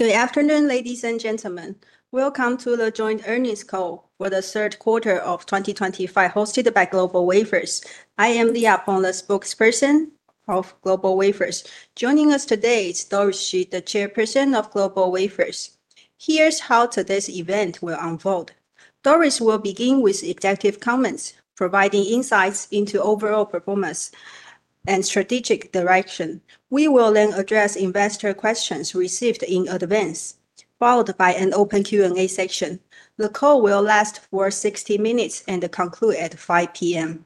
Good afternoon, ladies and gentlemen. Welcome to the joint earnings call for the third quarter of 2025, hosted by GlobalWafers. I am Leah Peng, Spokesperson of GlobalWafers. Joining us today is Doris Hsu, the Chairperson of GlobalWafers. Here's how today's event will unfold. Doris will begin with executive comments, providing insights into overall performance and strategic direction. We will then address investor questions received in advance, followed by an open Q&A section. The call will last for 60 minutes and conclude at 5:00 P.M.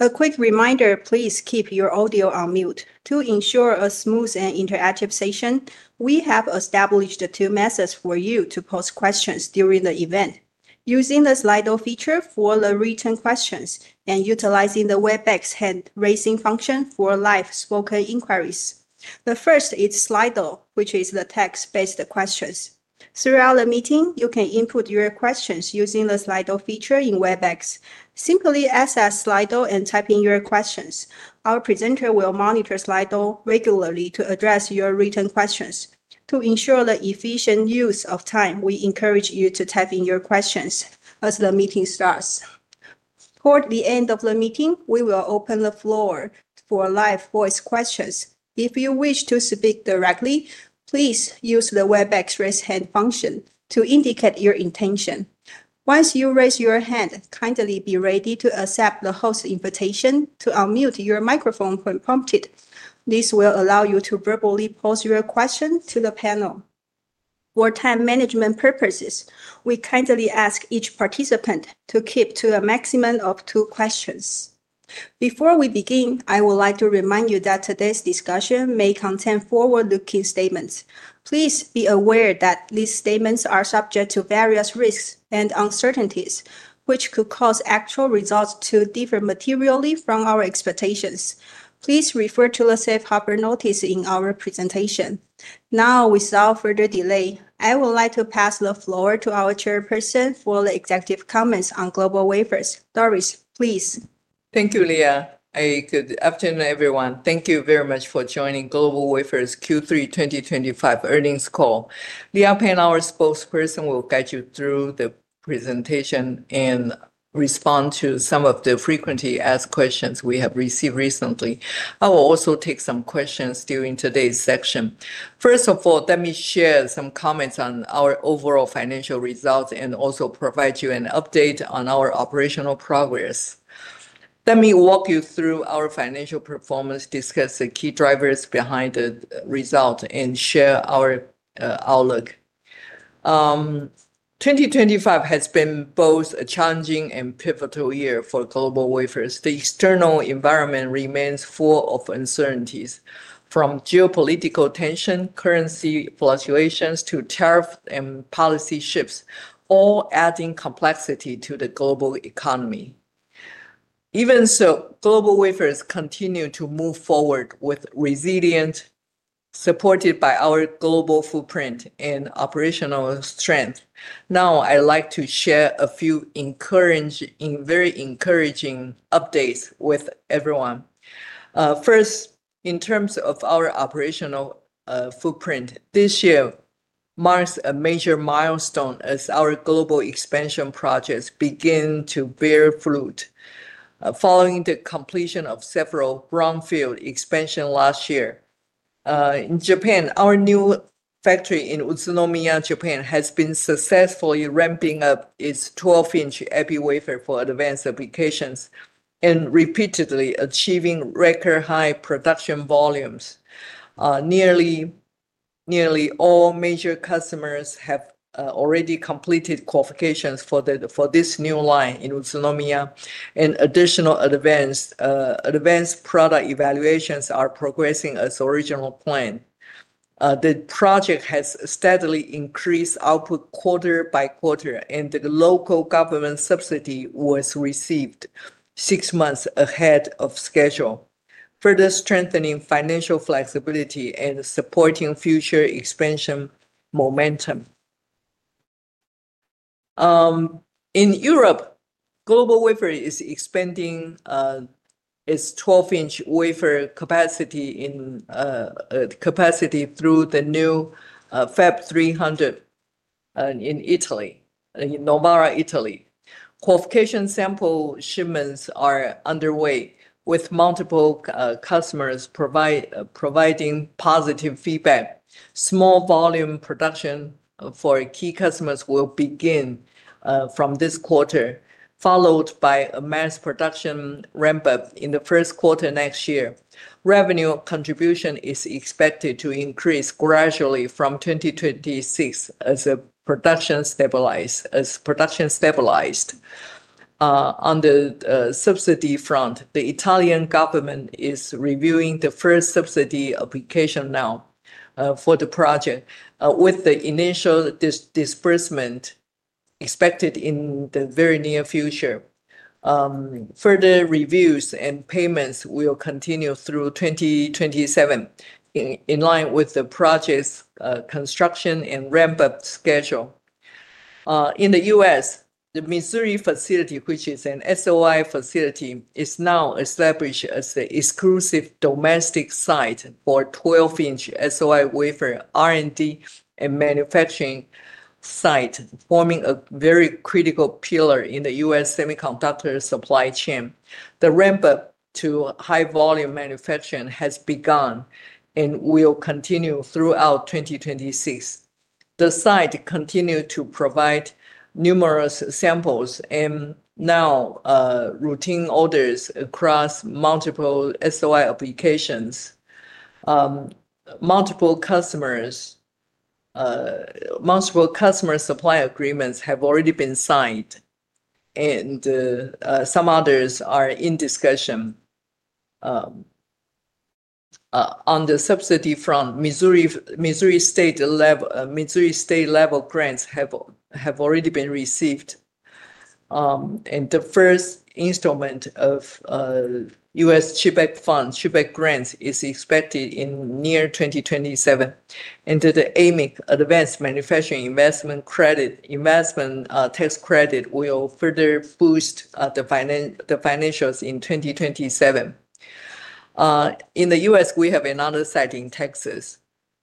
A quick reminder, please keep your audio on mute. To ensure a smooth and interactive session, we have established two methods for you to post questions during the event: using the Slido feature for the written questions and utilizing the Webex hand-raising function for live spoken inquiries. The first is Slido, which is the text-based questions. Throughout the meeting, you can input your questions using the Slido feature in Webex. Simply access Slido and type in your questions. Our presenter will monitor Slido regularly to address your written questions. To ensure the efficient use of time, we encourage you to type in your questions as the meeting starts. Toward the end of the meeting, we will open the floor for live voice questions. If you wish to speak directly, please use the Webex raise hand function to indicate your intention. Once you raise your hand, kindly be ready to accept the host's invitation to unmute your microphone when prompted. This will allow you to verbally pose your question to the panel. For time management purposes, we kindly ask each participant to keep to a maximum of two questions. Before we begin, I would like to remind you that today's discussion may contain forward-looking statements. Please be aware that these statements are subject to various risks and uncertainties, which could cause actual results to differ materially from our expectations. Please refer to the safe harbor notice in our presentation. Now, without further delay, I would like to pass the floor to our Chairperson for the executive comments on GlobalWafers. Doris, please. Thank you, Leah. Good afternoon, everyone. Thank you very much for joining GlobalWafers Q3 2025 earnings call. Leah Peng, our Spokesperson, will guide you through the presentation and respond to some of the frequently asked questions we have received recently. I will also take some questions during today's section. First of all, let me share some comments on our overall financial results and also provide you an update on our operational progress. Let me walk you through our financial performance, discuss the key drivers behind the results, and share our outlook. 2025 has been both a challenging and pivotal year for GlobalWafers. The external environment remains full of uncertainties, from geopolitical tensions, currency fluctuations, to tariffs and policy shifts, all adding complexity to the global economy. Even so, GlobalWafers continues to move forward with resilience, supported by our global footprint and operational strength. Now, I'd like to share a few very encouraging updates with everyone. First, in terms of our operational footprint, this year marks a major milestone as our global expansion projects begin to bear fruit. Following the completion of several brownfield expansions last year, in Japan, our new factory in Utsunomiya, Japan, has been successfully ramping up its 12-inch heavy wafer for advanced applications and repeatedly achieving record-high production volumes. Nearly all major customers have already completed qualifications for this new line in Utsunomiya, and additional advanced product evaluations are progressing as originally planned. The project has steadily increased output quarter by quarter, and the local government subsidy was received six months ahead of schedule, further strengthening financial flexibility and supporting future expansion momentum. In Europe, GlobalWafers is expanding its 12-inch wafer capacity through the new Fab300 in Italy, in Novara, Italy. Qualification sample shipments are underway, with multiple customers providing positive feedback. Small volume production for key customers will begin from this quarter, followed by a mass production ramp-up in the first quarter next year. Revenue contribution is expected to increase gradually from 2026 as production stabilizes. On the subsidy front, the Italian government is reviewing the first subsidy application now for the project, with the initial disbursement expected in the very near future. Further reviews and payments will continue through 2027 in line with the project's construction and ramp-up schedule. In the U.S., the Missouri facility, which is an SOI facility, is now established as the exclusive domestic site for 12-inch SOI wafer R&D and manufacturing site, forming a very critical pillar in the U.S. semiconductor supply chain. The ramp-up to high-volume manufacturing has begun and will continue throughout 2026. The site continues to provide numerous samples and now routine orders across multiple SOI applications. Multiple customers' supply agreements have already been signed, and some others are in discussion. On the subsidy front, Missouri state-level grants have already been received, and the first installment of U.S. CHIPS Act funds, CHIPS Act grants, is expected in near 2027. The AMIC, Advanced Manufacturing Investment Credit Investment Tax Credit, will further boost the financials in 2027. In the U.S., we have another site in Texas.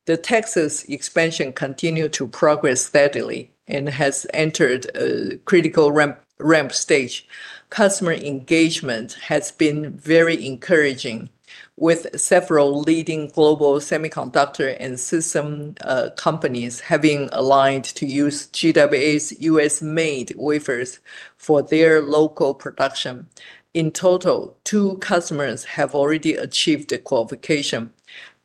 The Texas expansion continues to progress steadily and has entered a critical ramp-up stage. Customer engagement has been very encouraging, with several leading global semiconductor and system companies having aligned to use GWA's U.S.-made wafers for their local production. In total, two customers have already achieved the qualification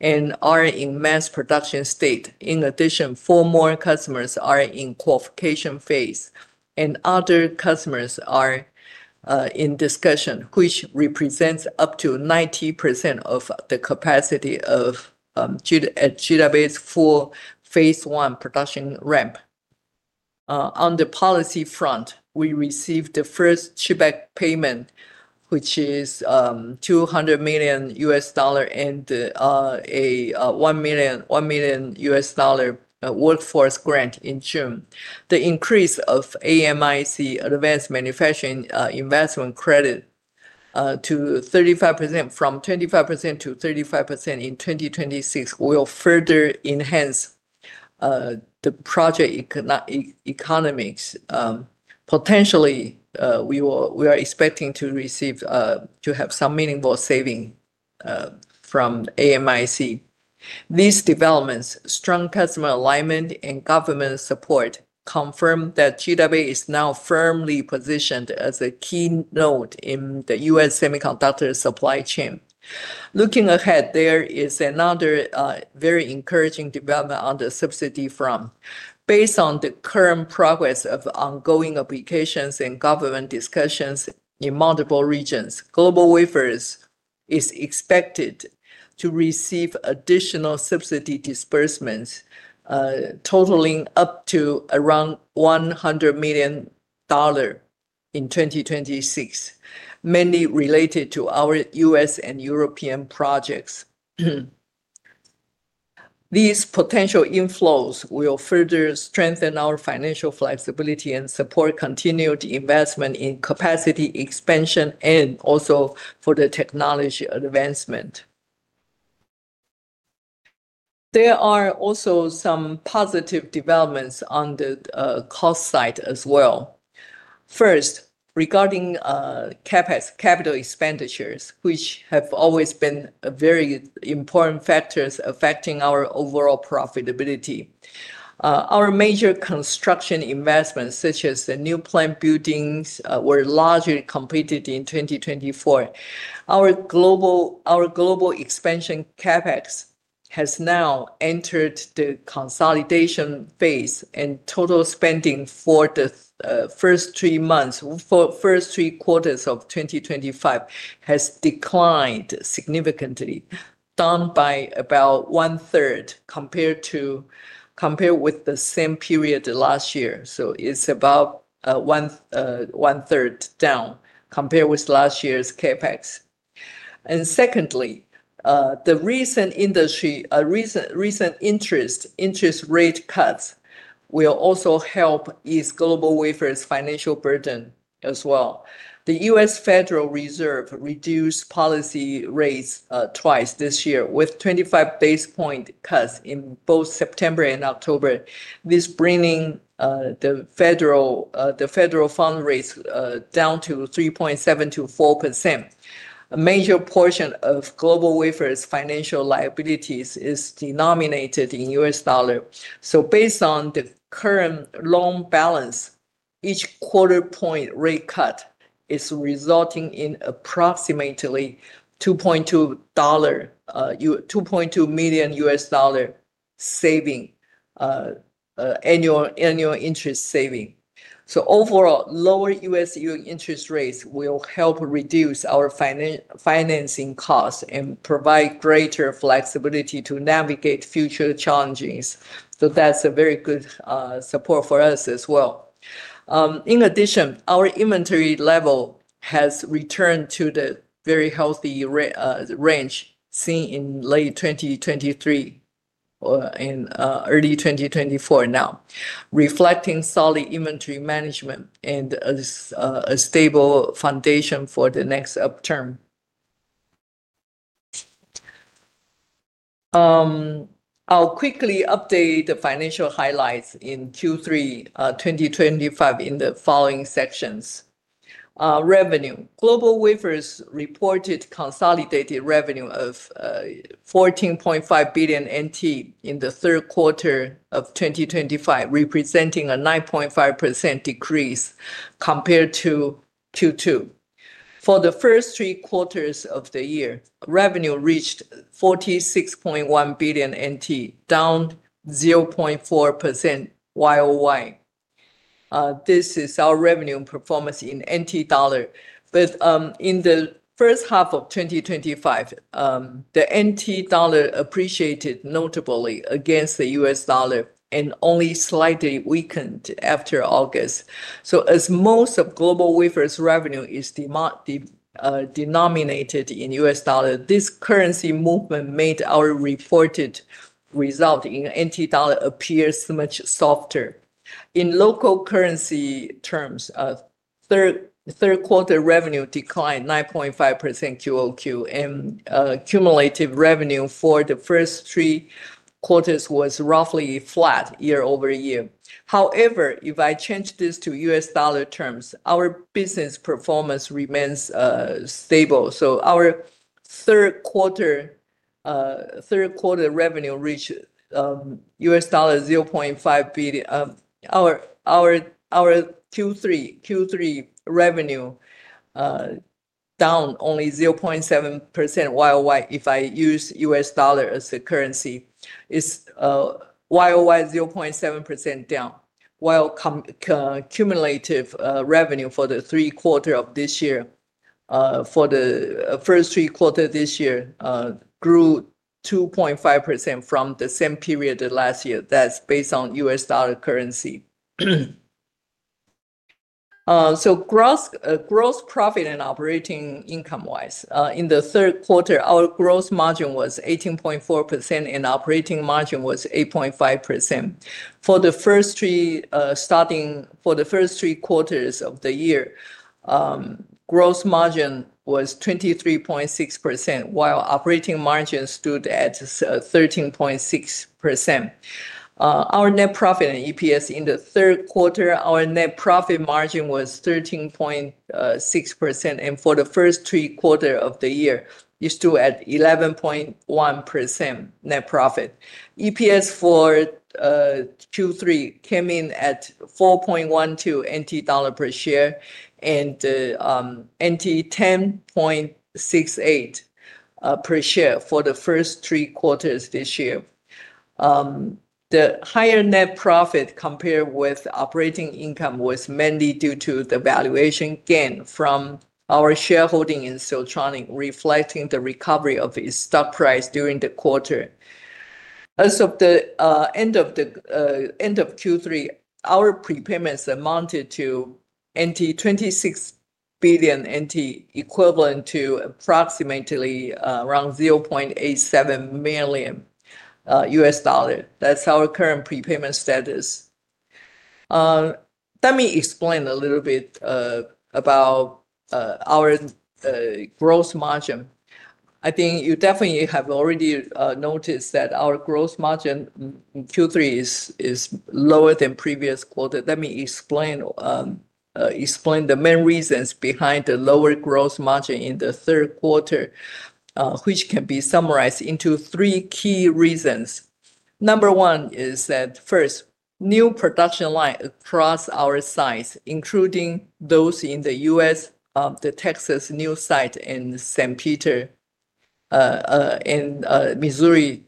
and are in mass production state. In addition, four more customers are in qualification phase, and other customers are in discussion, which represents up to 90% of the capacity of GWA's full phase one production ramp. On the policy front, we received the first CHIPS Act payment, which is $200 million and a $1 million workforce grant in June. The increase of AMIC, Advanced Manufacturing Investment Credit, to 35% from 25% to 35% in 2026 will further enhance the project economics. Potentially, we are expecting to have some meaningful savings from AMIC. These developments, strong customer alignment, and government support confirm that GWA is now firmly positioned as a key node in the U.S. semiconductor supply chain. Looking ahead, there is another very encouraging development on the subsidy front. Based on the current progress of ongoing applications and government discussions in multiple regions, GlobalWafers is expected to receive additional subsidy disbursements totaling up to around $100 million in 2026, mainly related to our U.S. and European projects. These potential inflows will further strengthen our financial flexibility and support continued investment in capacity expansion and also for the technology advancement. There are also some positive developments on the cost side as well. First, regarding capital expenditures, which have always been very important factors affecting our overall profitability. Our major construction investments, such as the new plant buildings, were largely completed in 2024. Our global expansion CapEx has now entered the consolidation phase, and total spending for the first three quarters of 2025 has declined significantly, down by about one-third compared with the same period last year. It is about one-third down compared with last year's CapEx. Secondly, the recent interest rate cuts will also help ease GlobalWafers' financial burden as well. The U.S. Federal Reserve reduced policy rates twice this year, with 25 basis point cuts in both September and October. This brought the federal fund rates down to 3.7%-4%. A major portion of GlobalWafers' financial liabilities is denominated in U.S. dollars. Based on the current loan balance, each quarter-point rate cut is resulting in approximately $2.2 million annual interest saving. Overall, lower U.S. yield interest rates will help reduce our financing costs and provide greater flexibility to navigate future challenges. That is a very good support for us as well. In addition, our inventory level has returned to the very healthy range seen in late 2023 and early 2024 now, reflecting solid inventory management and a stable foundation for the next upturn. I'll quickly update the financial highlights in Q3 2025 in the following sections. Revenue: GlobalWafers reported consolidated revenue of. 14.5 billion NT in the third quarter of 2025, representing a 9.5% decrease compared to Q2. For the first three quarters of the year, revenue reached 46.1 billion NT, down 0.4% year-over-year. This is our revenue and performance in NT dollar. In the first half of 2025, the NT dollar appreciated notably against the U.S. dollar and only slightly weakened after August. As most of GlobalWafers' revenue is denominated in U.S. dollar, this currency movement made our reported result in NT dollar appear much softer. In local currency terms, third-quarter revenue declined 9.5% QoQ, and cumulative revenue for the first three quarters was roughly flat year-over-year. However, if I change this to U.S. dollar terms, our business performance remains stable. Our third-quarter revenue reached $0.5 billion. Our Q3 revenue was down only 0.7% YoY if I use U.S. dollar as the currency. It is YoY 0.7% down, while cumulative revenue for the first three quarters this year grew 2.5% from the same period last year. That is based on U.S. dollar currency. Gross profit and operating income-wise, in the third quarter, our gross margin was 18.4% and operating margin was 8.5%. For the first three quarters of the year, gross margin was 23.6%, while operating margin stood at 13.6%. Our net profit and EPS in the third quarter, our net profit margin was 13.6%, and for the first three quarters of the year, it stood at 11.1% net profit. EPS for Q3 came in at 4.12 NT dollar per share and 10.68 per share for the first three quarters this year. The higher net profit compared with operating income was mainly due to the valuation gain from our shareholding in Siltronic, reflecting the recovery of its stock price during the quarter. As of the end of Q3, our prepayments amounted to 26 billion NT, equivalent to approximately $0.87 million. That is our current prepayment status. Let me explain a little bit about our gross margin. I think you definitely have already noticed that our gross margin in Q3 is lower than the previous quarter. Let me explain. The main reasons behind the lower gross margin in the third quarter can be summarized into three key reasons. Number one is that, first, new production lines across our sites, including those in the U.S., the Texas new site in St. Peter and Missouri,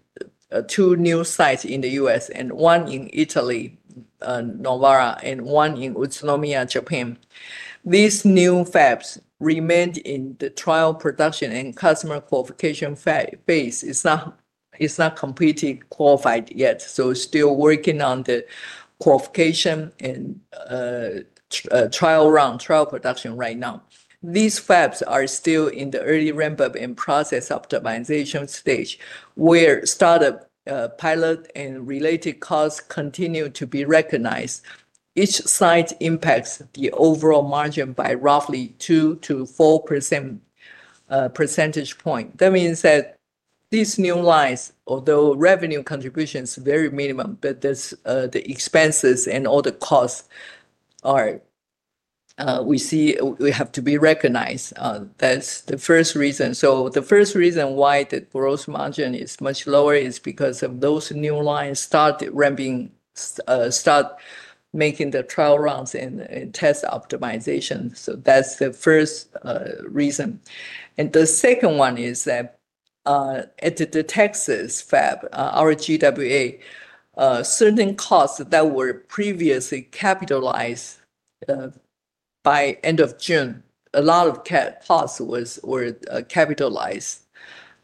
two new sites in the U.S., and one in Italy, Novara, and one in Utsunomiya, Japan. These new fabs remained in the trial production and customer qualification phase. It is not completely qualified yet, so still working on the qualification and trial round, trial production right now. These fabs are still in the early ramp-up and process optimization stage, where startup, pilot, and related costs continue to be recognized. Each site impacts the overall margin by roughly 2-4 percentage points. That means that these new lines, although revenue contribution is very minimal, but the expenses and all the costs are. We see we have to be recognized. That's the first reason. The first reason why the gross margin is much lower is because of those new lines started ramping, start making the trial rounds and test optimization. That's the first reason. The second one is that at the Texas fab, our GWA, certain costs that were previously capitalized, by end of June, a lot of costs were capitalized.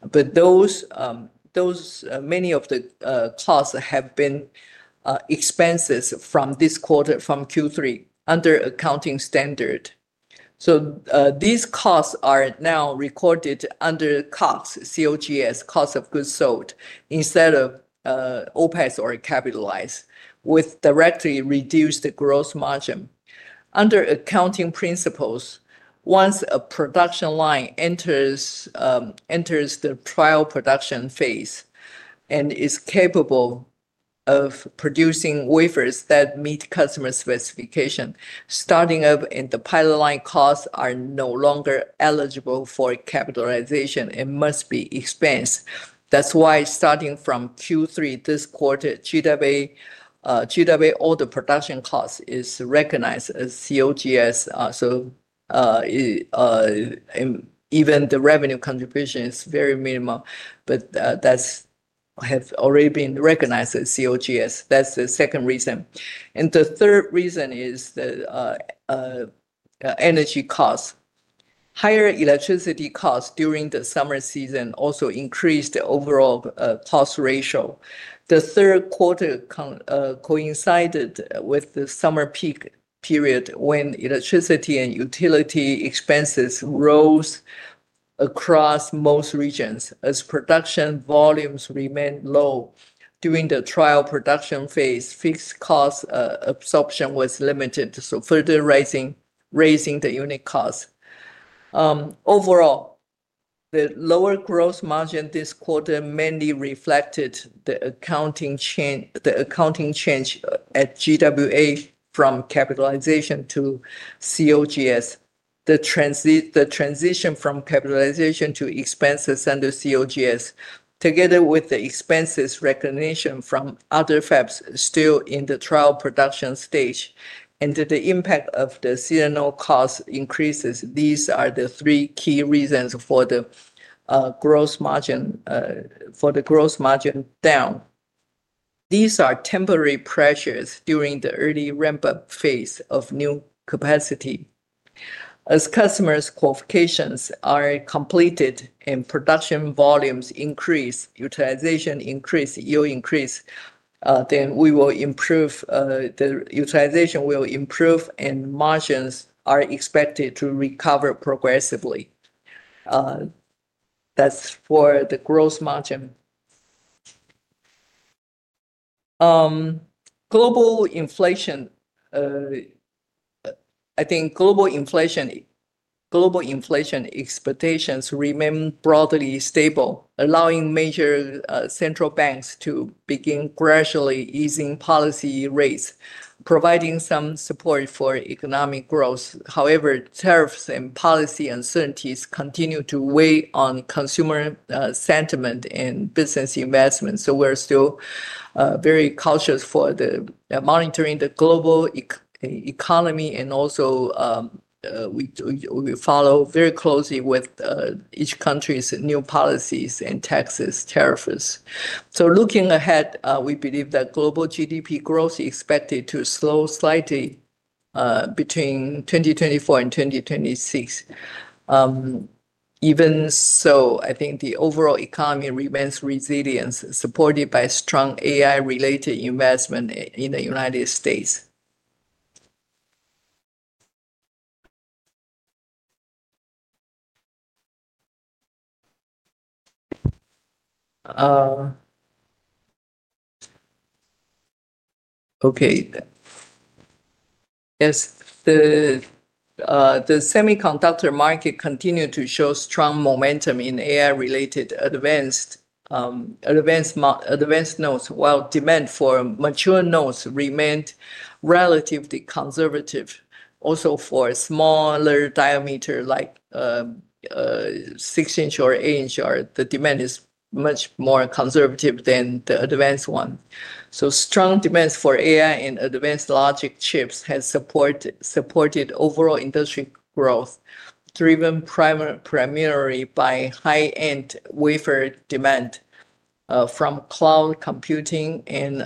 But those, many of the costs have been expensed from this quarter, from Q3, under accounting standard. These costs are now recorded under COGS, Cost of Goods Sold, instead of OpEx or capitalized, which directly reduced gross margin. Under accounting principles, once a production line enters the trial production phase and is capable of producing wafers that meet customer specification, starting up and the pilot line costs are no longer eligible for capitalization and must be expensed. That's why starting from Q3 this quarter, GWA, all the production costs is recognized as COGS. Even the revenue contribution is very minimal, but that's already been recognized as COGS. That's the second reason. The third reason is the energy costs. Higher electricity costs during the summer season also increased the overall cost ratio. The third quarter coincided with the summer peak period when electricity and utility expenses rose across most regions. As production volumes remained low during the trial production phase, fixed cost absorption was limited, so further raising the unit cost. Overall, the lower gross margin this quarter mainly reflected the accounting change at GWA from capitalization to COGS, the transition from capitalization to expenses under COGS, together with the expenses recognition from other fabs still in the trial production stage, and the impact of the seasonal cost increases. These are the three key reasons for the gross margin, for the gross margin down. These are temporary pressures during the early ramp-up phase of new capacity. As customers' qualifications are completed and production volumes increase, utilization increase, yield increase, then we will improve. The utilization will improve and margins are expected to recover progressively. That's for the gross margin. Global inflation. I think global inflation expectations remain broadly stable, allowing major central banks to begin gradually easing policy rates, providing some support for economic growth. However, tariffs and policy uncertainties continue to weigh on consumer sentiment and business investment. We're still very cautious for monitoring the global economy and also we follow very closely with each country's new policies and taxes tariffs. Looking ahead, we believe that global GDP growth is expected to slow slightly between 2024 and 2026. Even so, I think the overall economy remains resilient, supported by strong AI-related investment in the United States. The semiconductor market continued to show strong momentum in AI-related advanced nodes, while demand for mature nodes remained relatively conservative. Also, for a smaller diameter like. 6-inch or 8-inch, the demand is much more conservative than the advanced one. Strong demands for AI and advanced logic chips have supported overall industry growth, driven primarily by high-end wafer demand from cloud computing and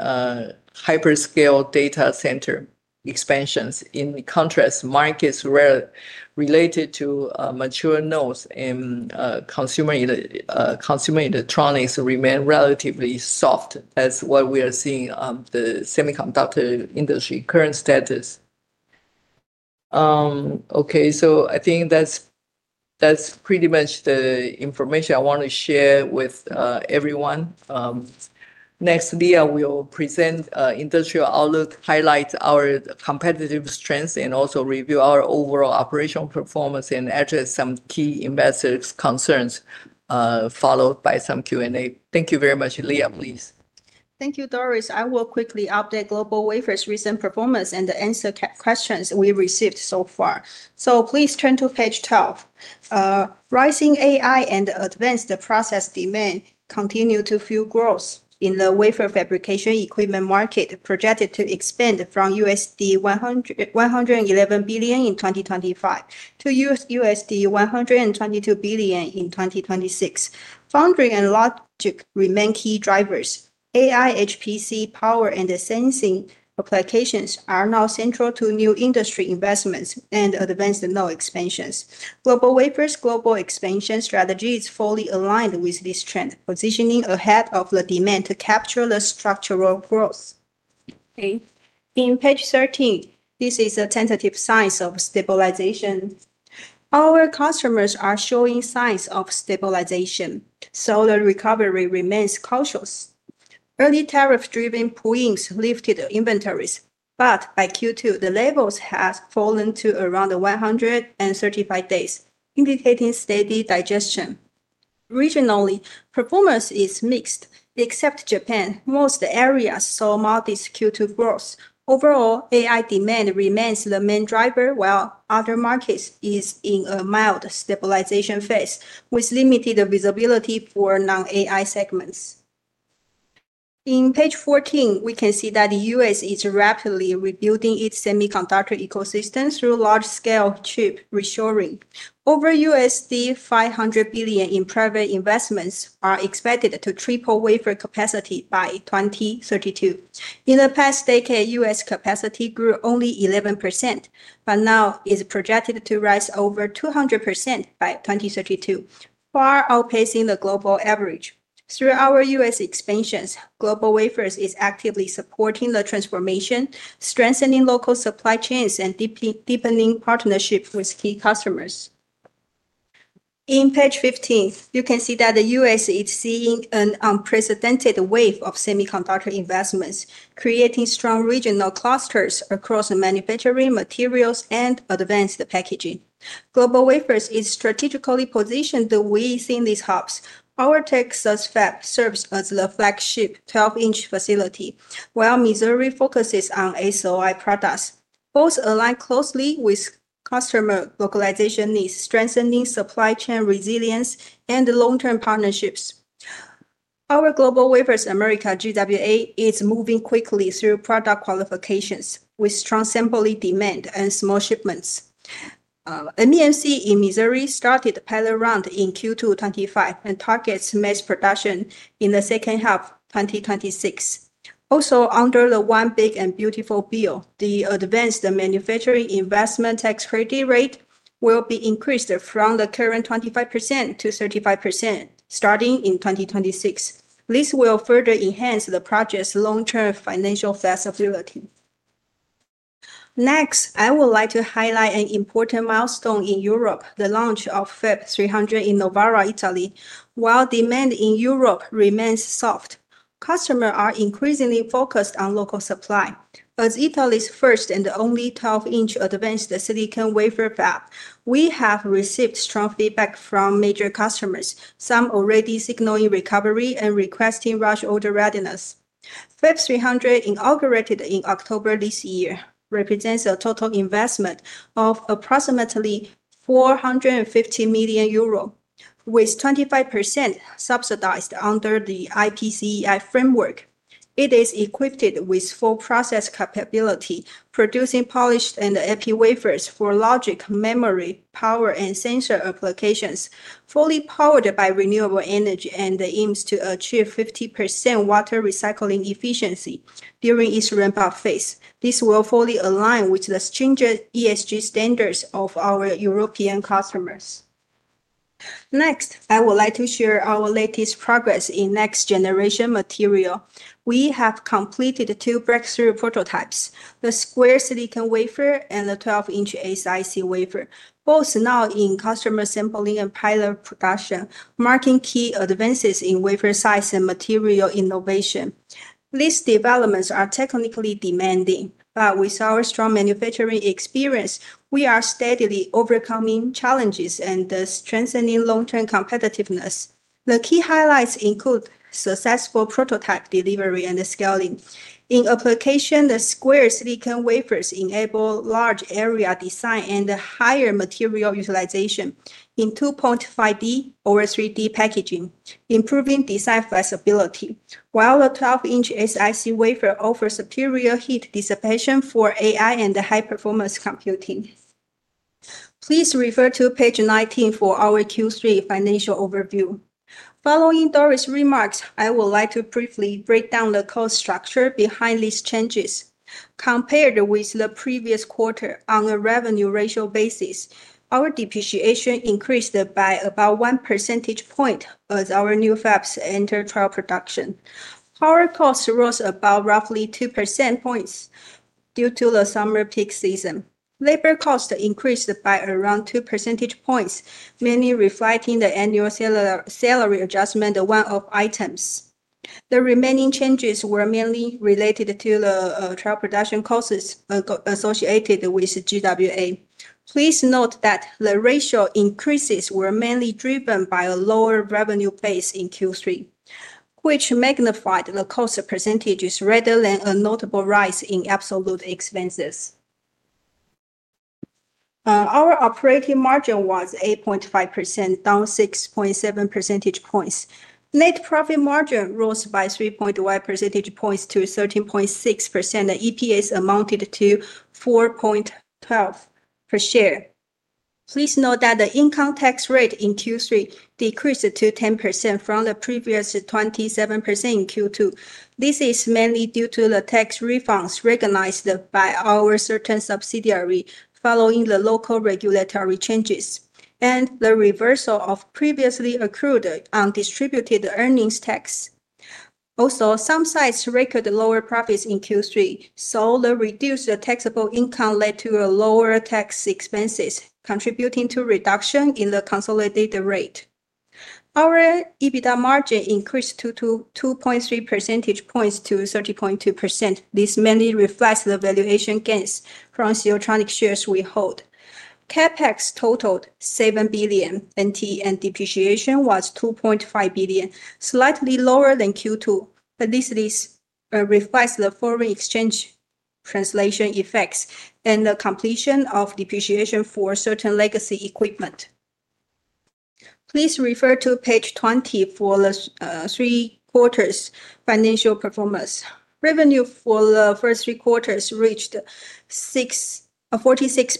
hyperscale data center expansions. In contrast, markets related to mature nodes and consumer electronics remain relatively soft. That is what we are seeing on the semiconductor industry current status. Okay, I think that is pretty much the information I want to share with everyone. Next, Leah will present industrial outlook, highlight our competitive strengths, and also review our overall operational performance and address some key investors' concerns, followed by some Q&A. Thank you very much, Leah, please. Thank you, Doris. I will quickly update GlobalWafers' recent performance and answer questions we received so far. Please turn to page 12. Rising AI and advanced process demand continue to fuel growth in the wafer fabrication equipment market, projected to expand from $111 billion in 2025 to $122 billion in 2026. Foundry and logic remain key drivers. AI, HPC, power, and sensing applications are now central to new industry investments and advanced node expansions. GlobalWafers' global expansion strategy is fully aligned with this trend, positioning ahead of the demand to capture the structural growth. In page 13, this is a tentative sign of stabilization. Our customers are showing signs of stabilization, so the recovery remains cautious. Early tariff-driven poolings lifted inventories, but by Q2, the levels had fallen to around 135 days, indicating steady digestion. Regionally, performance is mixed. Except Japan, most areas saw modest Q2 growth. Overall, AI demand remains the main driver, while other markets are in a mild stabilization phase with limited visibility for non-AI segments. In page 14, we can see that the U.S. is rapidly rebuilding its semiconductor ecosystem through large-scale chip reshoring. Over $500 billion in private investments are expected to triple wafer capacity by 2032. In the past decade, U.S. capacity grew only 11%, but now is projected to rise over 200% by 2032, far outpacing the global average. Through our U.S. expansions, GlobalWafers is actively supporting the transformation, strengthening local supply chains, and deepening partnerships with key customers. In page 15, you can see that the U.S. is seeing an unprecedented wave of semiconductor investments, creating strong regional clusters across manufacturing materials and advanced packaging. GlobalWafers is strategically positioned within these hubs. Our Texas fab serves as the flagship 12-inch facility, while Missouri focuses on SOI products. Both align closely with customer localization needs, strengthening supply chain resilience and long-term partnerships. Our GlobalWafers America, GWA, is moving quickly through product qualifications with strong sampling demand and small shipments. MEMC in Missouri started the pilot round in Q2 2025 and targets mass production in the second half of 2026. Also, under the One Big and Beautiful bill, the advanced manufacturing investment tax credit rate will be increased from the current 25% to 35% starting in 2026. This will further enhance the project's long-term financial flexibility. Next, I would like to highlight an important milestone in Europe, the launch of Fab300 in Novara, Italy. While demand in Europe remains soft, customers are increasingly focused on local supply. As Italy's first and only 12-inch advanced silicon wafer fab, we have received strong feedback from major customers, some already signaling recovery and requesting rush order readiness. Fab300, inaugurated in October this year, represents a total investment of approximately 450 million euro, with 25% subsidized under the IPCEI framework. It is equipped with full process capability, producing polished and AP wafers for logic, memory, power, and sensor applications, fully powered by renewable energy and aims to achieve 50% water recycling efficiency during its ramp-up phase. This will fully align with the stringent ESG standards of our European customers. Next, I would like to share our latest progress in next-generation material. We have completed two breakthrough prototypes, the square silicon wafer and the 12-inch SiC wafer, both now in customer sampling and pilot production, marking key advances in wafer size and material innovation. These developments are technically demanding, but with our strong manufacturing experience, we are steadily overcoming challenges and strengthening long-term competitiveness. The key highlights include successful prototype delivery and scaling. In application, the square silicon wafers enable large area design and higher material utilization in 2.5D over 3D packaging, improving design flexibility, while the 12-inch SiC wafer offers superior heat dissipation for AI and high-performance computing. Please refer to page 19 for our Q3 financial overview. Following Doris' remarks, I would like to briefly break down the cost structure behind these changes. Compared with the previous quarter, on a revenue ratio basis, our depreciation increased by about one percentage point as our new fabs entered trial production. Our cost rose about roughly 2 percentage points due to the summer peak season. Labor cost increased by around 2 percentage points, mainly reflecting the annual salary adjustment one-off items. The remaining changes were mainly related to the trial production costs associated with GWA. Please note that the ratio increases were mainly driven by a lower revenue base in Q3, which magnified the cost percentages rather than a notable rise in absolute expenses. Our operating margin was 8.5%, down 6.7 percentage points. Net profit margin rose by 3.1 percentage points to 13.6%. The EPS amounted to 4.12 per share. Please note that the income tax rate in Q3 decreased to 10% from the previous 27% in Q2. This is mainly due to the tax refunds recognized by our certain subsidiaries following the local regulatory changes and the reversal of previously accrued undistributed earnings tax. Also, some sites recorded lower profits in Q3, so the reduced taxable income led to lower tax expenses, contributing to reduction in the consolidated rate. Our EBITDA margin increased by 2.3 percentage points to 30.2%. This mainly reflects the valuation gains from Siltronic shares we hold. CapEx totaled 7 billion NT, and depreciation was 2.5 billion, slightly lower than Q2, but this reflects the foreign exchange translation effects and the completion of depreciation for certain legacy equipment. Please refer to page 20 for the three-quarter financial performance. Revenue for the first three quarters reached 46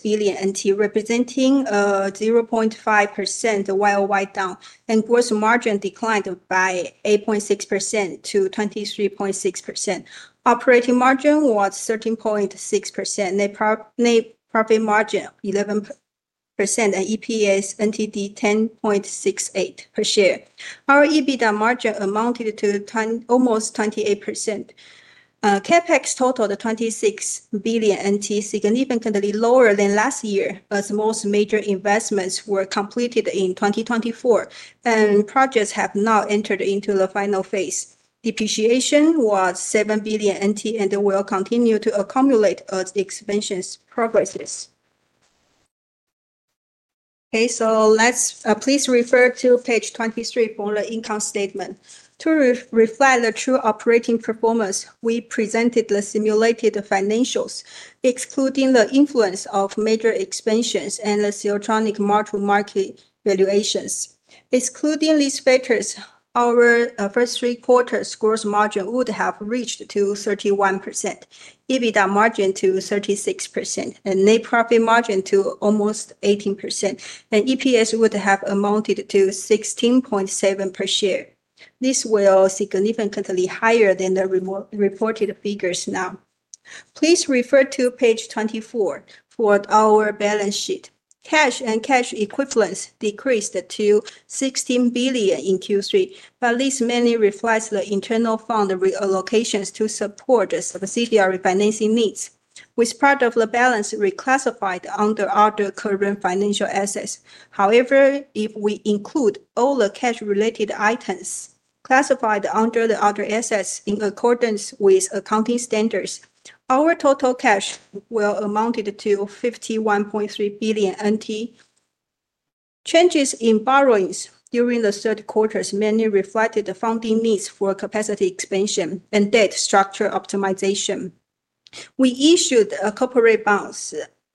billion NT, representing 0.5% while wipe-down, and gross margin declined by 8.6% to 23.6%. Operating margin was 13.6%, net profit margin 11%, and EPS 10.68 per share. Our EBITDA margin amounted to almost 28%. CapEx totaled 26 billion NT, significantly lower than last year as most major investments were completed in 2024, and projects have now entered into the final phase. Depreciation was 7 billion NT and will continue to accumulate as expansion progresses. Okay, so please refer to page 23 for the income statement. To reflect the true operating performance, we presented the simulated financials, excluding the influence of major expansions and the Siltronic market market valuations. Excluding these factors, our first three-quarter gross margin would have reached 31%, EBITDA margin to 36%, and net profit margin to almost 18%, and EPS would have amounted to 16.7 per share. This was significantly higher than the reported figures now. Please refer to page 24 for our balance sheet. Cash and cash equivalents decreased to 16 billion in Q3, but this mainly reflects the internal fund reallocations to support the subsidiary financing needs, with part of the balance reclassified under other current financial assets. However, if we include all the cash-related items classified under the other assets in accordance with accounting standards, our total cash will amount to 51.3 billion NT. Changes in borrowings during the third quarter mainly reflected the funding needs for capacity expansion and debt structure optimization. We issued a corporate bond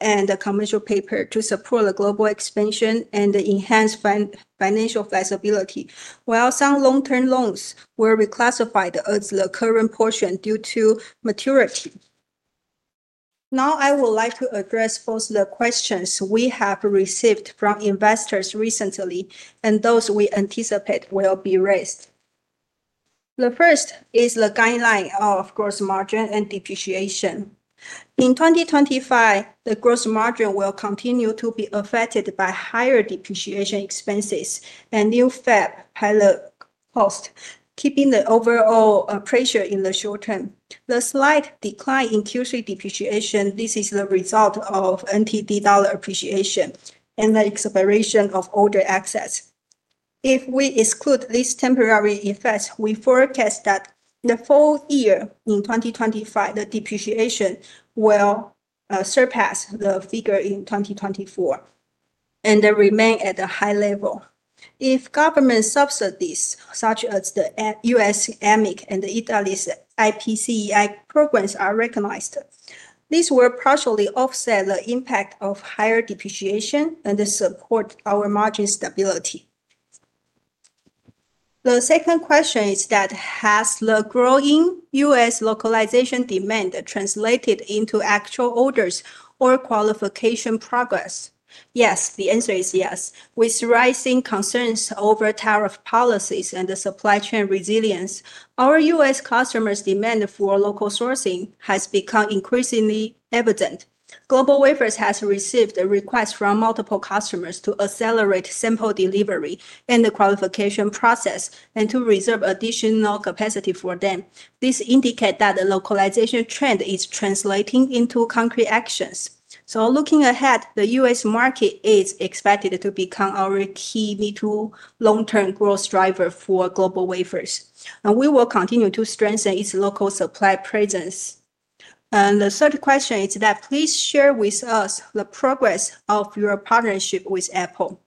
and a commercial paper to support the global expansion and enhance financial flexibility, while some long-term loans were reclassified as the current portion due to maturity. Now, I would like to address both the questions we have received from investors recently and those we anticipate will be raised. The first is the guideline of gross margin and depreciation. In 2025, the gross margin will continue to be affected by higher depreciation expenses and new fab pilot costs, keeping the overall pressure in the short term. The slight decline in Q3 depreciation, this is the result of NT dollar appreciation and the expiration of older assets. If we exclude these temporary effects, we forecast that for the full year in 2025, the depreciation will surpass the figure in 2024 and remain at a high level. If government subsidies, such as the U.S. AMIC and Italy's IPCEI programs, are recognized, these will partially offset the impact of higher depreciation and support our margin stability. The second question is that, has the growing U.S. localization demand translated into actual orders or qualification progress? Yes, the answer is yes. With rising concerns over tariff policies and the supply chain resilience, our U.S. customers' demand for local sourcing has become increasingly evident. GlobalWafers has received requests from multiple customers to accelerate sample delivery and the qualification process and to reserve additional capacity for them. This indicates that the localization trend is translating into concrete actions. Looking ahead, the U.S. market is expected to become our key need to long-term growth driver for GlobalWafers, and we will continue to strengthen its local supply presence. The third question is that, please share with us the progress of your partnership with Apple.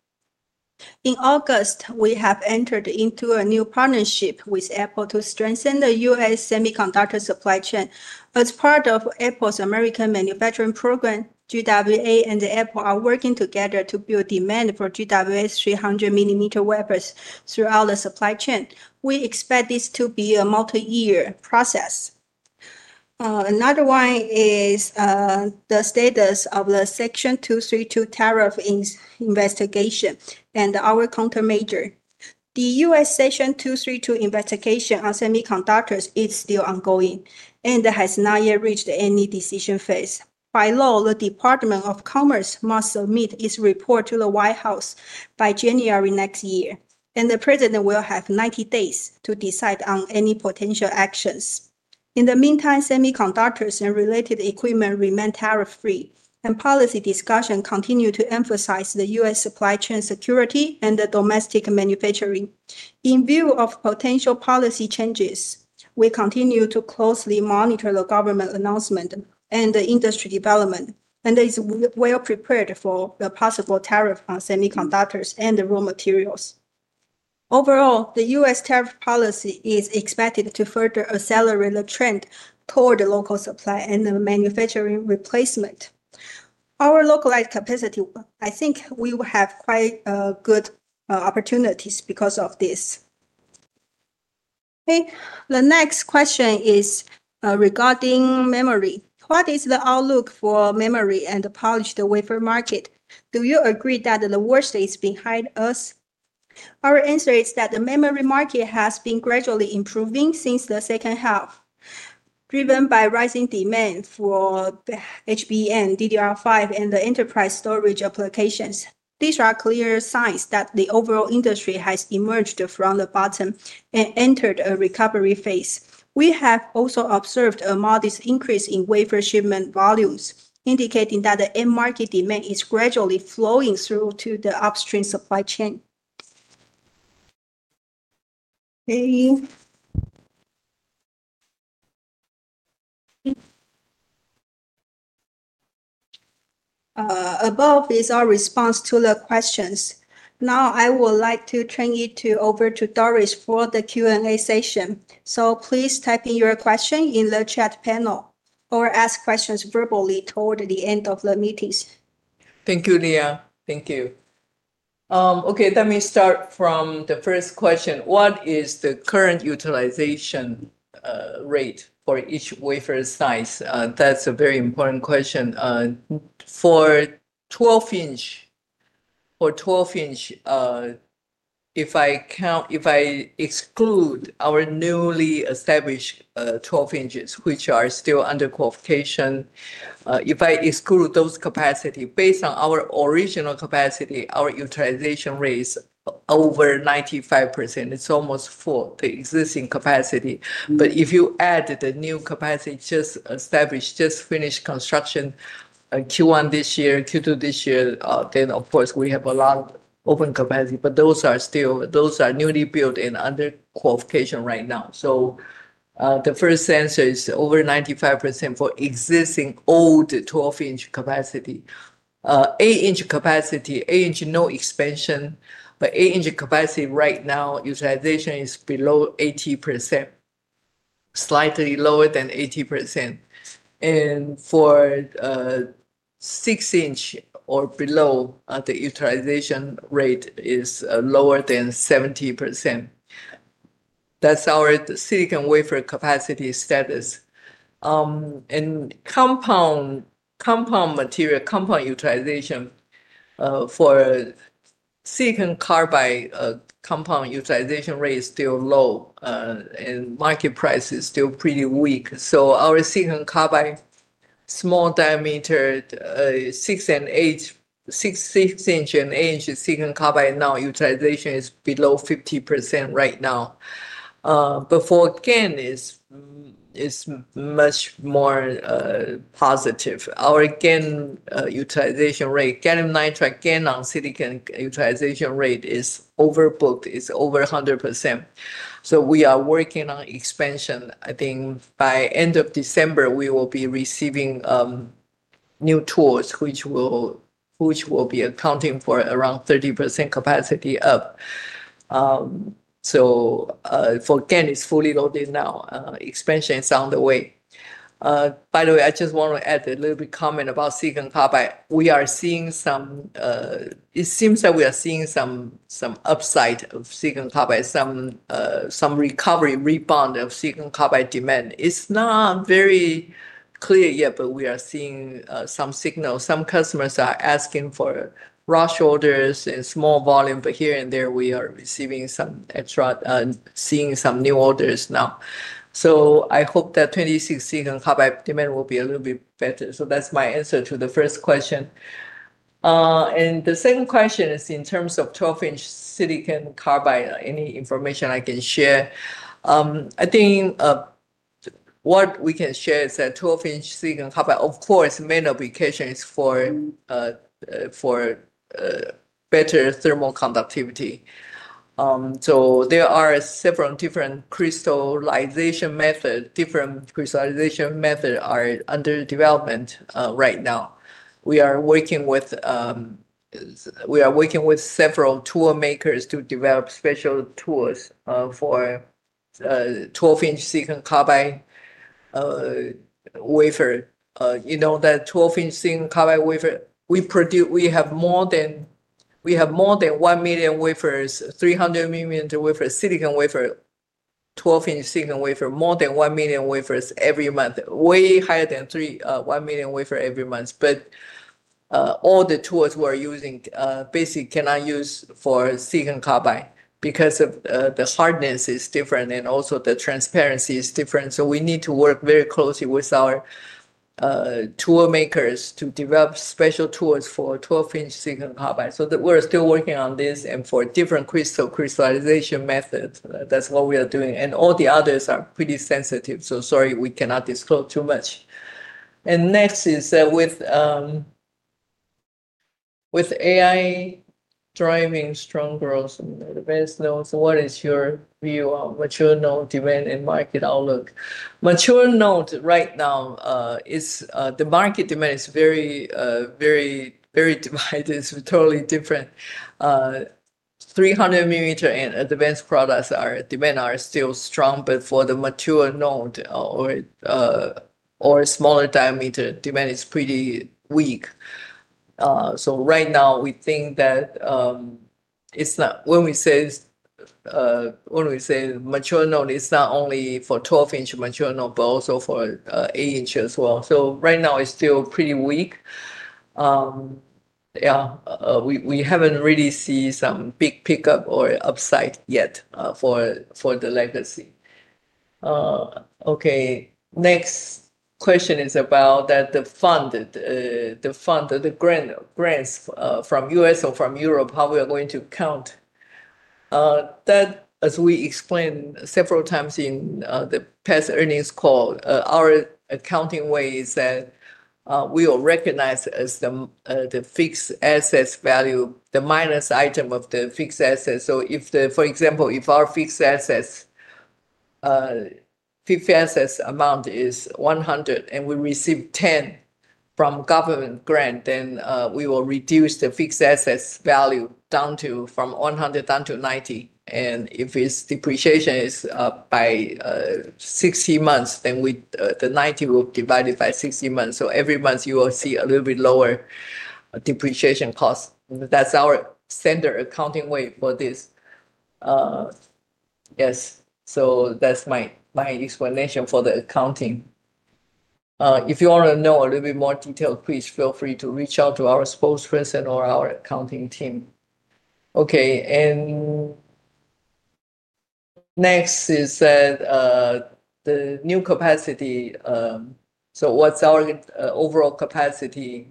In August, we have entered into a new partnership with Apple to strengthen the U.S. semiconductor supply chain. As part of Apple's American manufacturing program, GWA and Apple are working together to build demand for GWA's 300-millimeter wafers throughout the supply chain. We expect this to be a multi-year process. Another one is the status of the Section 232 tariff investigation and our countermeasure. The U.S. Section 232 investigation on semiconductors is still ongoing and has not yet reached any decision phase. By law, the Department of Commerce must submit its report to the White House by January next year, and the President will have 90 days to decide on any potential actions. In the meantime, semiconductors and related equipment remain tariff-free, and policy discussions continue to emphasize the U.S. supply chain security and the domestic manufacturing. In view of potential policy changes, we continue to closely monitor the government announcement and the industry development, and it's well prepared for the possible tariff on semiconductors and the raw materials. Overall, the U.S. tariff policy is expected to further accelerate the trend toward local supply and the manufacturing replacement. Our localized capacity, I think we will have quite good opportunities because of this. The next question is regarding memory. What is the outlook for memory and the polished wafer market? Do you agree that the worst is behind us? Our answer is that the memory market has been gradually improving since the second half, driven by rising demand for HBM, DDR5, and the enterprise storage applications. These are clear signs that the overall industry has emerged from the bottom and entered a recovery phase. We have also observed a modest increase in wafer shipment volumes, indicating that the end market demand is gradually flowing through to the upstream supply chain. Above is our response to the questions. Now, I would like to turn it over to Doris for the Q&A session. Please type in your question in the chat panel or ask questions verbally toward the end of the meetings. Thank you, Leah. Thank you. Let me start from the first question. What is the current utilization rate for each wafer size? That's a very important question. For 12-inch, for 12-inch, if I count, if I exclude our newly established 12-inches, which are still under qualification, if I exclude those capacities, based on our original capacity, our utilization rate is over 95%. It's almost full, the existing capacity. If you add the new capacity, just established, just finished construction, Q1 this year, Q2 this year, then of course we have a lot of open capacity, but those are still, those are newly built and under qualification right now. The first answer is over 95% for existing old 12-inch capacity. 8-inch capacity, 8-inch no expansion, but 8-inch capacity right now, utilization is below 80%, slightly lower than 80%. For 6-inch or below, the utilization rate is lower than 70%. That's our silicon wafer capacity status. Compound material, compound utilization. For silicon carbide, compound utilization rate is still low, and market price is still pretty weak. Our silicon carbide, small diameter, 6-inch and 8-inch silicon carbide now, utilization is below 50% right now. For GaN, it is much more positive. Our GaN utilization rate, gallium nitride GaN on silicon utilization rate is overbooked, is over 100%. We are working on expansion. I think by end of December, we will be receiving new tools, which will be accounting for around 30% capacity up. For GaN, it's fully loaded now. Expansion is on the way. By the way, I just want to add a little bit of comment about silicon carbide. We are seeing some, it seems that we are seeing some upside of silicon carbide, some recovery, rebound of silicon carbide demand. It's not very clear yet, but we are seeing some signals. Some customers are asking for rush orders and small volume, but here and there we are receiving some extra, seeing some new orders now. I hope that 2026 silicon carbide demand will be a little bit better. That's my answer to the first question. The second question is in terms of 12-inch silicon carbide, any information I can share? I think what we can share is that 12-inch silicon carbide, of course, main application is for better thermal conductivity. There are several different crystallization methods, different crystallization methods are under development right now. We are working with several tool makers to develop special tools for 12-inch silicon carbide wafer. You know that 12-inch silicon carbide wafer, we produce, we have more than, we have more than 1 million wafers, 300 million wafers, silicon wafer, 12-inch silicon wafer, more than 1 million wafers every month, way higher than 3, 1 million wafer every month. All the tools we're using basically cannot use for silicon carbide because the hardness is different and also the transparency is different. We need to work very closely with our tool makers to develop special tools for 12-inch silicon carbide. We're still working on this and for different crystal crystallization methods. That's what we are doing. All the others are pretty sensitive, so sorry, we cannot disclose too much. Next is with AI driving strong growth and advanced nodes. What is your view on mature node demand and market outlook? Mature node right now. The market demand is very, very, very divided. It's totally different. 300-millimeter and advanced products demand are still strong, but for the mature node or smaller diameter, demand is pretty weak. Right now we think that when we say mature node, it's not only for 12-inch mature node, but also for 8-inch as well. Right now it's still pretty weak. Yeah, we haven't really seen some big pickup or upside yet for the legacy. Next question is about the fund. The fund, the grants from U.S. or from Europe, how we are going to count that. As we explained several times in the past earnings call, our accounting way is that we will recognize as the fixed asset value, the minus item of the fixed asset. For example, if our fixed assets amount is 100 and we receive 10 from government grant, then we will reduce the fixed assets value down from 100 down to 90. If its depreciation is by 60 months, then the 90 will be divided by 60 months. Every month you will see a little bit lower depreciation cost. That's our standard accounting way for this. Yes, so that's my explanation for the accounting. If you want to know a little bit more detail, please feel free to reach out to our spokesperson or our accounting team. Next is the new capacity. What's our overall capacity,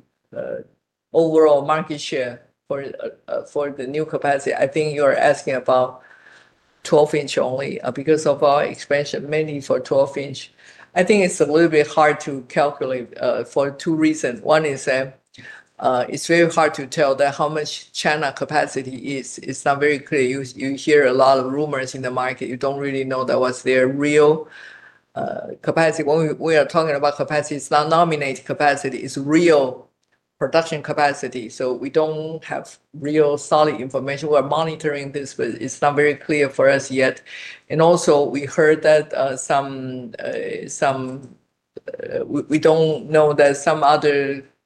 overall market share for the new capacity? I think you're asking about 12-inch only because our expansion is mainly for 12-inch. I think it's a little bit hard to calculate for two reasons. One is it's very hard to tell how much China capacity is. It's not very clear. You hear a lot of rumors in the market. You don't really know what's their real capacity. When we are talking about capacity, it's not nominate capacity, it's real production capacity. We don't have real solid information. We're monitoring this, but it's not very clear for us yet. Also, we heard that some other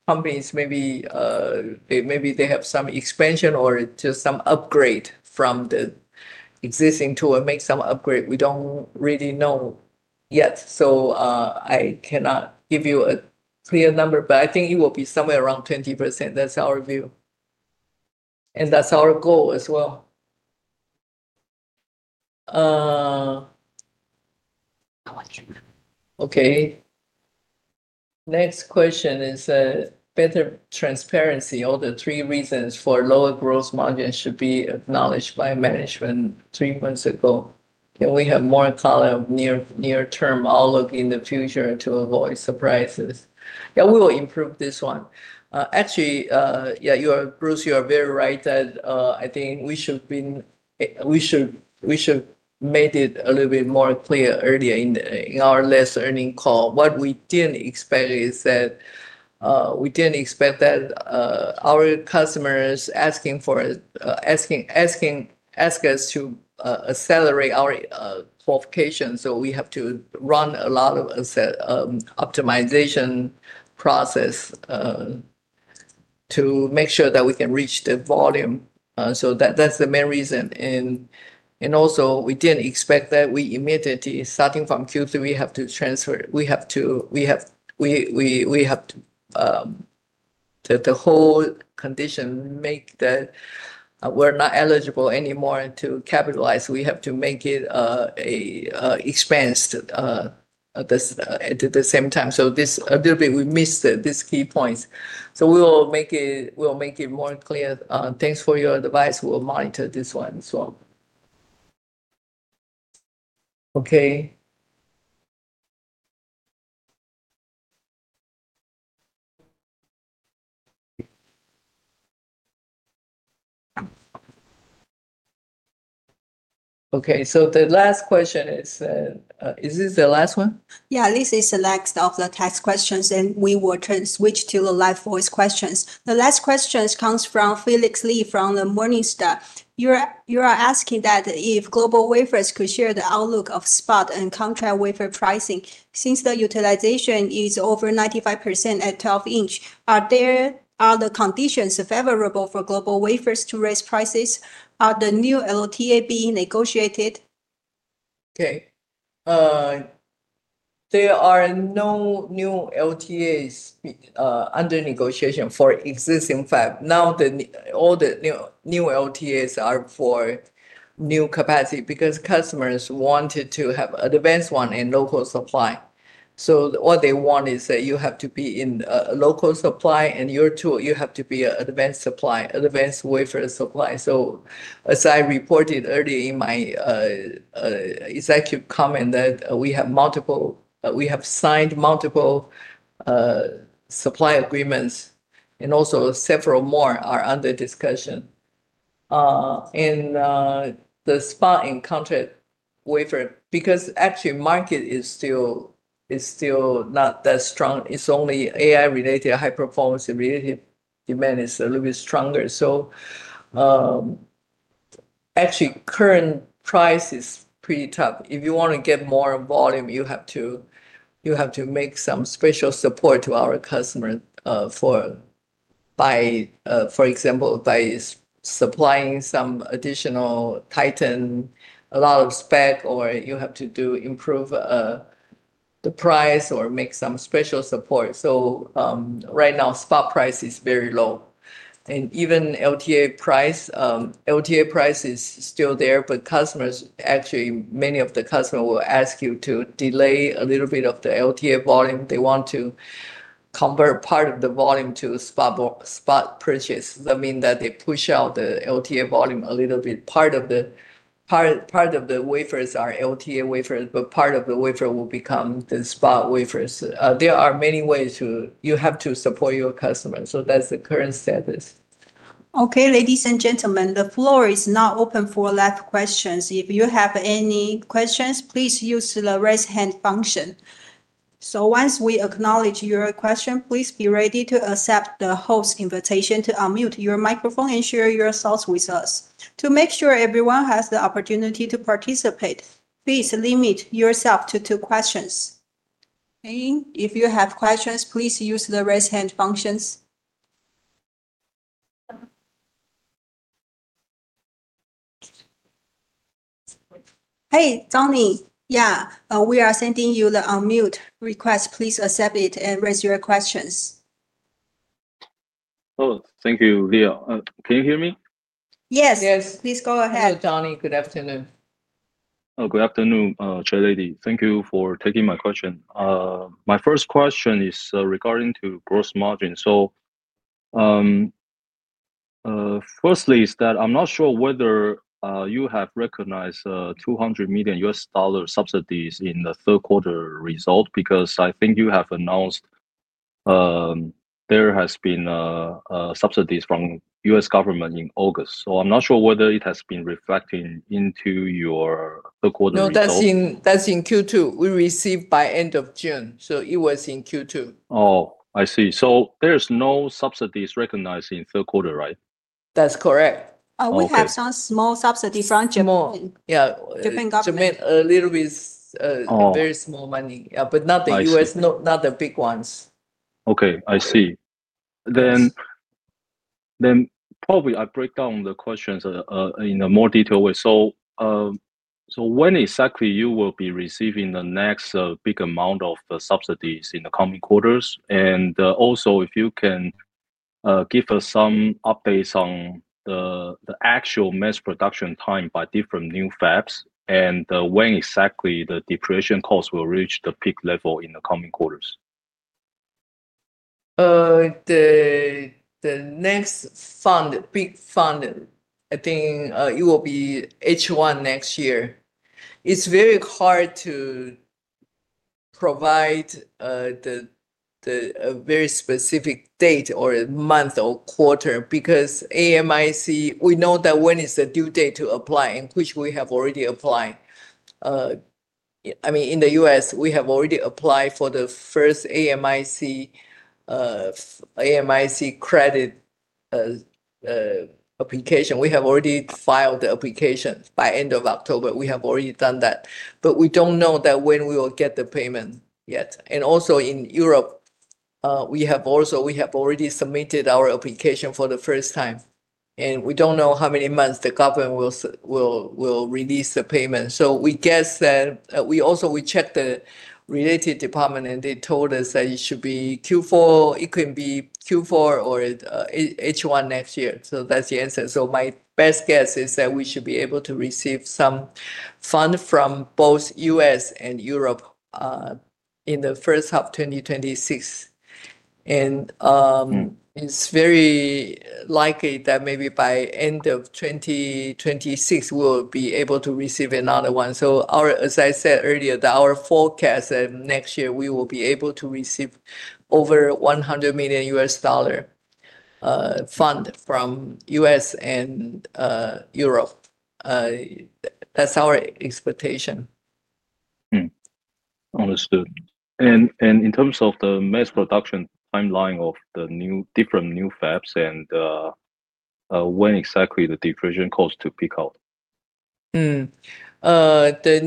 companies maybe have some expansion or just some upgrade from the existing tool and make some upgrade. We don't really know yet. I cannot give you a clear number, but I think it will be somewhere around 20%. That's our view. That's our goal as well. Next question is better transparency. All the three reasons for lower gross margin should be acknowledged by management three months ago. Can we have more color of near-term outlook in the future to avoid surprises? Yeah, we will improve this one. Actually, yeah, you are, Bruce, you are very right that I think we should have been, we should have made it a little bit more clear earlier in our last earnings call. What we didn't expect is that. We didn't expect that. Our customers asking for. Asking us to accelerate our qualification. We have to run a lot of optimization process to make sure that we can reach the volume. That is the main reason. Also, we did not expect that we immediately, starting from Q3, have to transfer. We have to. The whole condition makes that we are not eligible anymore to capitalize. We have to make it an expense at the same time. This, a little bit, we missed this key point. We will make it, we will make it more clear. Thanks for your advice. We will monitor this one as well. Okay. Okay, the last question is. Is this the last one? Yeah, this is the next of the test questions, and we will switch to the live voice questions. The last question comes from Phelix Lee from Morningstar. You are asking if GlobalWafers could share the outlook of spot and contract wafer pricing. Since the utilization is over 95% at 12-inch, are there other conditions favorable for GlobalWafers to raise prices? Are the new LTA being negotiated? Okay. There are no new LTAs under negotiation for existing fab now. All the new LTAs are for new capacity because customers wanted to have advanced one in local supply. What they want is that you have to be in a local supply and your tool, you have to be an advanced supply, advanced wafer supply. As I reported earlier in my executive comment, we have signed multiple supply agreements and also several more are under discussion. The spot and contract wafer, because actually market is still not that strong. It is only AI-related, high-performance-related demand that is a little bit stronger. Actually, current price is pretty tough. If you want to get more volume, you have to make some special support to our customer, for example, by supplying some additional titan, a lot of spec, or you have to do improve the price or make some special support. Right now, spot price is very low. Even LTA price, LTA price is still there, but customers actually, many of the customers will ask you to delay a little bit of the LTA volume. They want to convert part of the volume to spot purchase. That means that they push out the LTA volume a little bit. Part of the wafers are LTA wafers, but part of the wafer will become the spot wafers. There are many ways to, you have to support your customers. That is the current status. Okay, ladies and gentlemen, the floor is now open for live questions. If you have any questions, please use the raise hand function. Once we acknowledge your question, please be ready to accept the host invitation to unmute your microphone and share your thoughts with us. To make sure everyone has the opportunity to participate, please limit yourself to two questions. If you have questions, please use the raise hand function. Hey, Tony, yeah, we are sending you the unmute request. Please accept it and raise your questions. Oh, thank you, Leah. Can you hear me? Yes. Yes. Please go ahead. Hello, Tony. Good afternoon. Oh, good afternoon, Chairlady. Thank you for taking my question. My first question is regarding gross margin. Firstly, is that I'm not sure whether you have recognized $200 million U.S. subsidies in the third quarter result because I think you have announced there has been subsidies from the U.S. government in August. I'm not sure whether it has been reflected into your third quarter. No, that's in Q2. We received by end of June. It was in Q2. Oh, I see. There's no subsidies recognized in third quarter, right? That's correct. We have some small subsidy from Japan. Yeah. Japan government. Japan a little bit. Very small money. Yeah, but not the U.S., not the big ones. Okay, I see. I break down the questions in a more detailed way. When exactly you will be receiving the next big amount of subsidies in the coming quarters? If you can give us some updates on the actual mass production time by different new fabs and when exactly the depreciation costs will reach the peak level in the coming quarters. The next fund, big fund, I think it will be H1 next year. It's very hard to provide a very specific date or month or quarter because AMIC, we know that when is the due date to apply, and which we have already applied. I mean, in the U.S., we have already applied for the first AMIC. AMIC credit application. We have already filed the application by end of October. We have already done that. We don't know when we will get the payment yet. Also in Europe, we have also already submitted our application for the first time. We don't know how many months the government will release the payment. We guess that we also checked the related department, and they told us that it should be Q4. It could be Q4 or H1 next year. That's the answer. My best guess is that we should be able to receive some fund from both U.S. and Europe in the first half of 2026. It's very likely that maybe by end of 2026, we'll be able to receive another one. As I said earlier, our forecast that next year we will be able to receive over $100 million fund from U.S. and Europe. That's our expectation. Understood. In terms of the mass production timeline of the different new fabs and when exactly the depreciation costs to peak out? The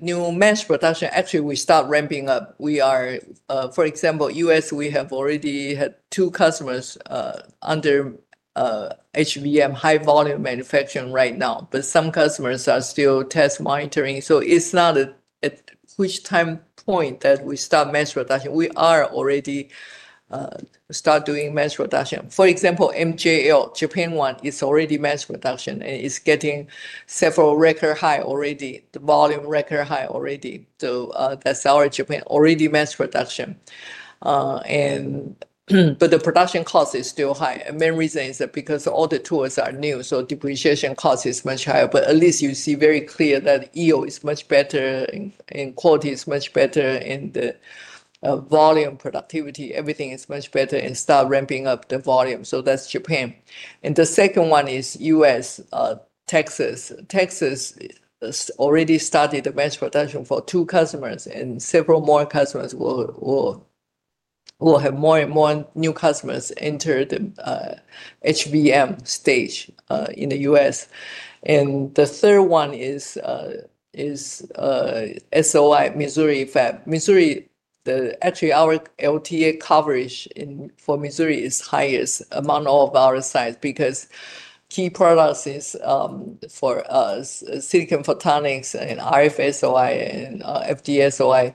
new mass production, actually, we start ramping up. We are, for example, U.S., we have already had two customers under HBM, high volume manufacturing right now. Some customers are still test monitoring. It is not at which time point that we start mass production. We are already starting mass production. For example, MJL, Japan one, is already mass production and is getting several record high already, the volume record high already. That is our Japan, already mass production. The production cost is still high. The main reason is that because all the tools are new, depreciation cost is much higher. At least you see very clear that EO is much better and quality is much better and the volume productivity, everything is much better and start ramping up the volume. That is Japan. The second one is U.S. Texas. Texas has already started the mass production for two customers and several more customers will have more and more new customers enter the HBM stage in the U.S. The third one is SOI, Missouri fab. Missouri, actually our LTA coverage for Missouri is highest among all of our sites because key products is for silicon photonics and RF SOI and FD SOI,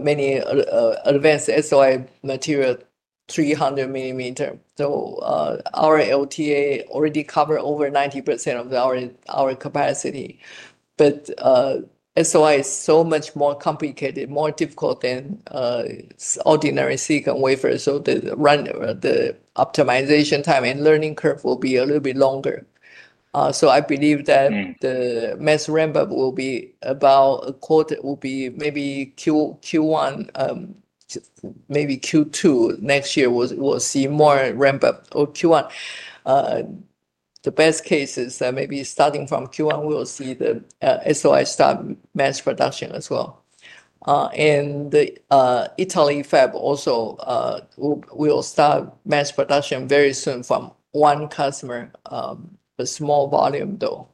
many advanced SOI material, 300 millimeter. Our LTA already covered over 90% of our capacity. SOI is so much more complicated, more difficult than ordinary silicon wafer. The optimization time and learning curve will be a little bit longer. I believe that the mass ramp-up will be about a quarter, will be maybe Q1, maybe Q2 next year, we will see more ramp-up, or Q1. The best case is that maybe starting from Q1, we will see the SOI start mass production as well. The Italy fab also will start mass production very soon from one customer, a small volume though,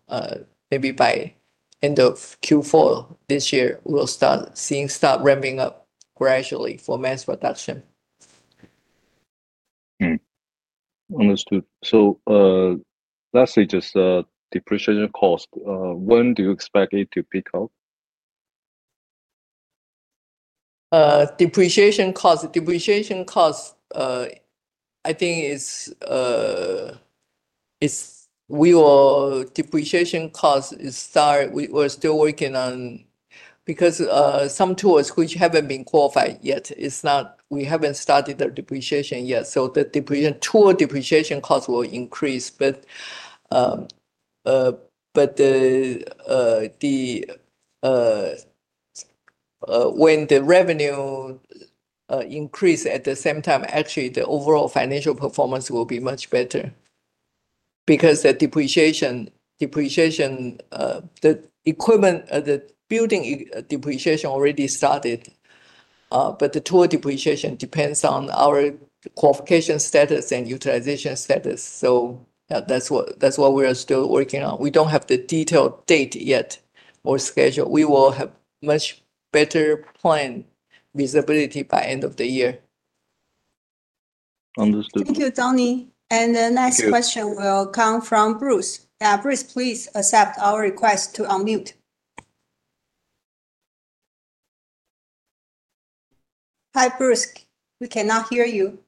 maybe by end of Q4 this year, we will start seeing start ramping up gradually for mass production. Understood. Lastly, just depreciation cost. When do you expect it to pick up? Depreciation cost, I think it is, we will depreciation cost is start, we are still working on, because some tools which have not been qualified yet, it is not, we have not started the depreciation yet. The tool depreciation cost will increase. When the revenue increases at the same time, actually the overall financial performance will be much better. Because the depreciation, the equipment, the building depreciation already started, but the tool depreciation depends on our qualification status and utilization status. That is what we are still working on. We do not have the detailed date yet or schedule. We will have much better plan visibility by end of the year. Understood. Thank you, Tony. The next question will come from Bruce. Yeah, Bruce, please accept our request to unmute. Hi, Bruce. We cannot hear you.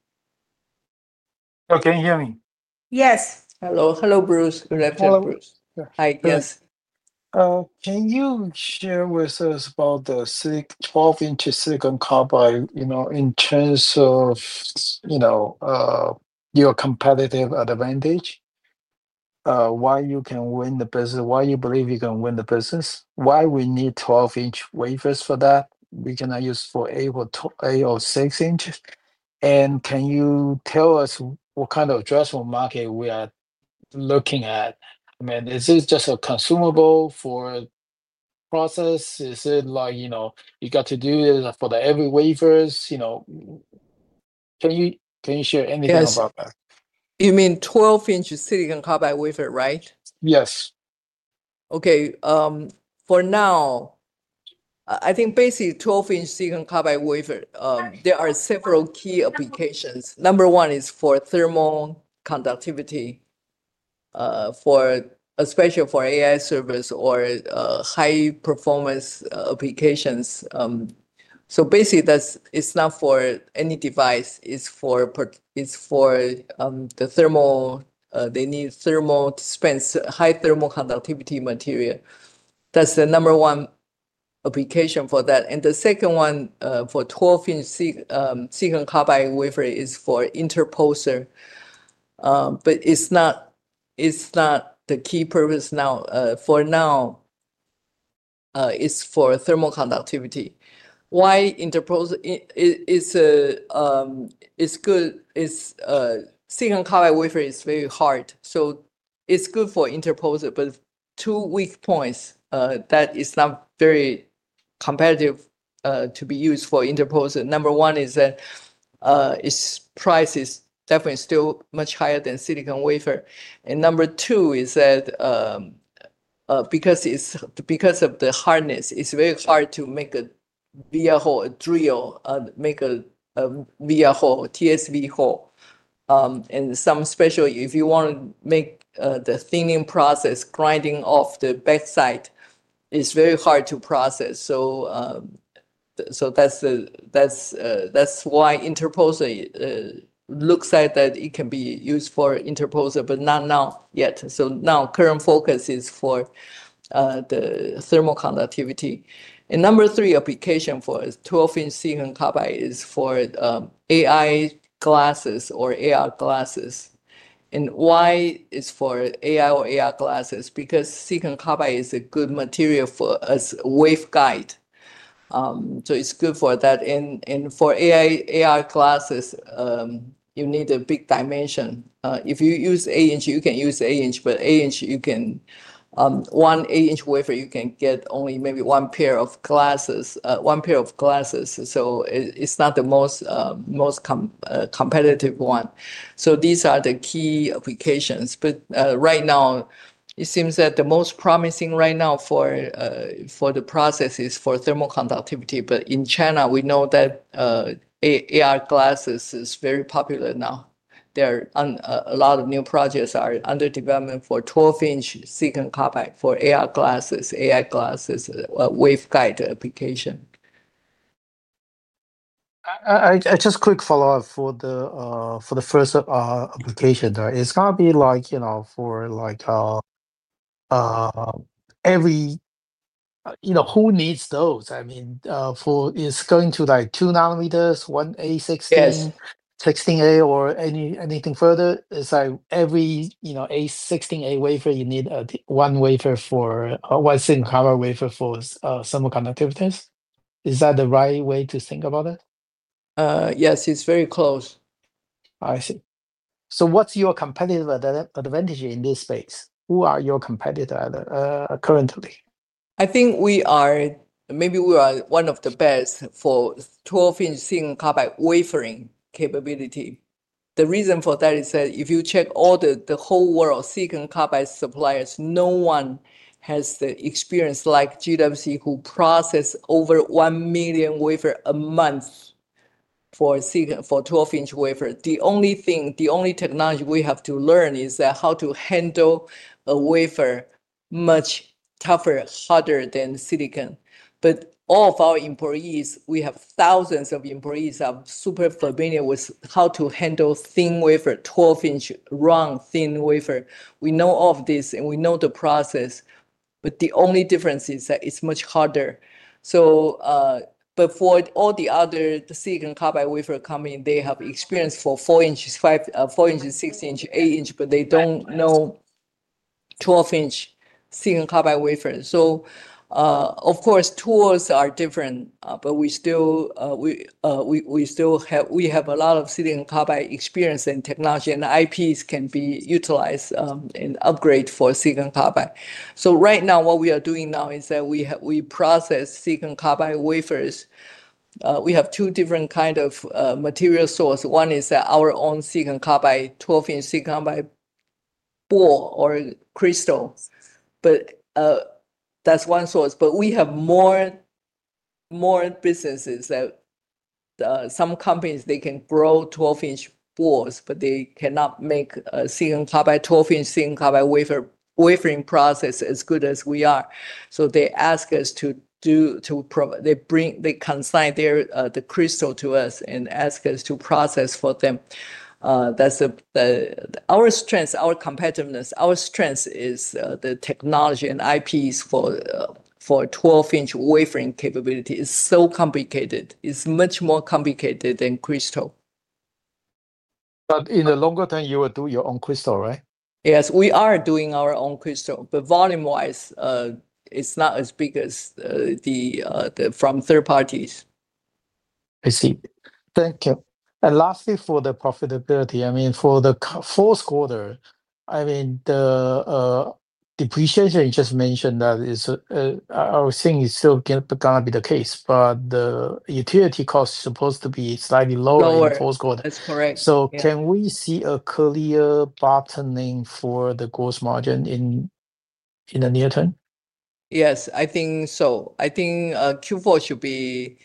Okay, can you hear me? Yes. Hello. Hello, Bruce. Good afternoon, Bruce. Hi, yes. Can you share with us about the 12-inch silicon carbide in terms of your competitive advantage? Why you can win the business, why you believe you can win the business, why we need 12-inch wafers for that? We cannot use 8 or 6-inch. Can you tell us what kind of addressable market we are looking at? I mean, is this just a consumable for process? Is it like you got to do this for every wafer? Can you share anything about that? You mean 12-inch silicon carbide wafer, right? Yes. Okay. For now, I think basically 12-inch silicon carbide wafer, there are several key applications. Number one is for thermal conductivity, especially for AI servers or high-performance applications. Basically, it is not for any device. It is for the thermal, they need thermal dispense, high thermal conductivity material. That is the number one application for that. The second one for 12-inch silicon carbide wafer is for interposer, but it is not the key purpose now. For now, it is for thermal conductivity. Why interposer? It is good. Silicon carbide wafer is very hard, so it is good for interposer, but two weak points that are not very competitive to be used for interposer. Number one is its price is definitely still much higher than silicon wafer. Number two is that because of the hardness, it is very hard to make a via, a drill, make a via, TSV hole. Some special, if you want to make the thinning process, grinding off the back side, it is very hard to process. That is why interposer looks at that it can be used for interposer, but not now yet. Now current focus is for the thermal conductivity. Number three application for 12-inch silicon carbide is for AI glasses or AR glasses. Why it is for AI or AR glasses? Because silicon carbide is a good material for as a wave guide, so it is good for that. For AI glasses, you need a big dimension. If you use 8-inch, you can use 8-inch, but 8-inch, you can, one 8-inch wafer, you can get only maybe one pair of glasses, one pair of glasses. It is not the most competitive one. These are the key applications. Right now, it seems that the most promising right now for the process is for thermal conductivity. In China, we know that AR glasses are very popular now. A lot of new projects are under development for 12-inch silicon carbide for AR glasses, AI glasses, wave guide application. Just quick follow-up for the first application. It is going to be like for every, who needs those? I mean, it is going to like 2 nanometers, 1A16, 16A or anything further. It is like every A16A wafer, you need one wafer for one silicon carbide wafer for thermal conductivities. Is that the right way to think about it? Yes, it is very close. I see. What is your competitive advantage in this space? Who are your competitors currently? I think we are, maybe we are one of the best for 12-inch silicon carbide wafering capability. The reason for that is that if you check all the whole world silicon carbide suppliers, no one has the experience like GWC who process over 1 million wafers a month. For 12-inch wafer. The only thing, the only technology we have to learn is how to handle a wafer much tougher, harder than silicon. All of our employees, we have thousands of employees, are super familiar with how to handle thin wafer, 12-inch round thin wafer. We know all of this and we know the process. The only difference is that it's much harder. For all the other silicon carbide wafer companies, they have experience for 4-inch, 6-inch, 8-inch, but they don't know 12-inch silicon carbide wafer. Of course, tools are different, but we still, we have a lot of silicon carbide experience and technology, and the IPs can be utilized and upgraded for silicon carbide. Right now, what we are doing now is that we process silicon carbide wafers. We have two different kinds of material sources. One is our own silicon carbide, 12-inch silicon carbide, bore or crystal. That's one source. We have more businesses that, some companies, they can grow 12-inch bores, but they cannot make a silicon carbide 12-inch silicon carbide wafering process as good as we are. They ask us to do, they consign the crystal to us and ask us to process for them. That's our strength, our competitiveness, our strength is the technology and IPs for 12-inch wafering capability. It's so complicated. It's much more complicated than crystal. In the longer term, you will do your own crystal, right? Yes, we are doing our own crystal. Volume-wise, it's not as big as from third parties. I see. Thank you. Lastly, for the profitability, I mean, for the fourth quarter, the depreciation you just mentioned, I think it's still going to be the case, but the utility costs are supposed to be slightly lower in the fourth quarter. That's correct. Can we see a clear bottoming for the gross margin in the near term? Yes, I think so. I think Q4 should be,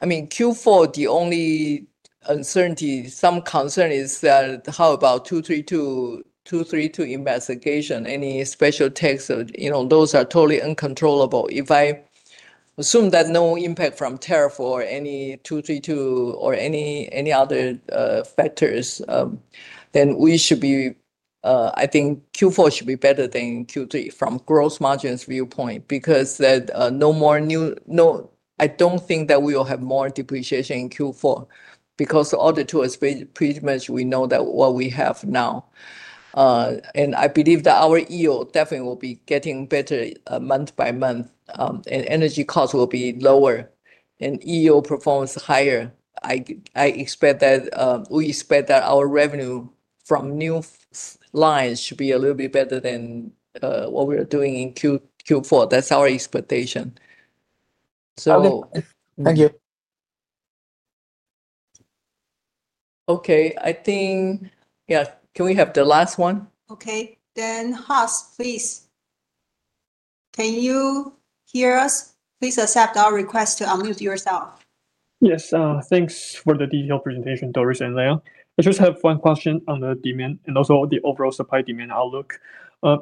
I mean, Q4, the only uncertainty, some concern is that how about 232 investigation, any special tax? Those are totally uncontrollable. If I assume that no impact from tariff or any 232 or any other factors, then we should be, I think Q4 should be better than Q3 from gross margins viewpoint because that no more, I don't think that we will have more depreciation in Q4 because all the tools, pretty much we know that what we have now. I believe that our EO definitely will be getting better month by month, and energy costs will be lower and EO performance higher. I expect that we expect that our revenue from new lines should be a little bit better than what we're doing in Q4. That's our expectation. Thank you. Okay. I think. Yeah, can we have the last one? Okay. Then Has, please. Can you hear us? Please accept our request to unmute yourself. Yes. Thanks for the detailed presentation, Doris and Leah. I just have one question on the demand and also the overall supply demand outlook.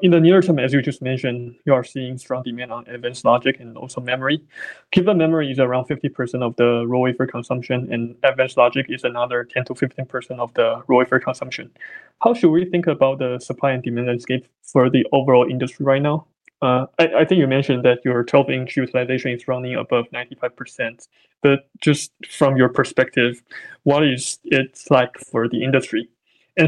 In the near term, as you just mentioned, you are seeing strong demand on advanced logic and also memory. Given memory is around 50% of the raw wafer consumption and advanced logic is another 10%-15% of the raw wafer consumption. How should we think about the supply and demand landscape for the overall industry right now? I think you mentioned that your 12-inch utilization is running above 95%. Just from your perspective, what is it like for the industry?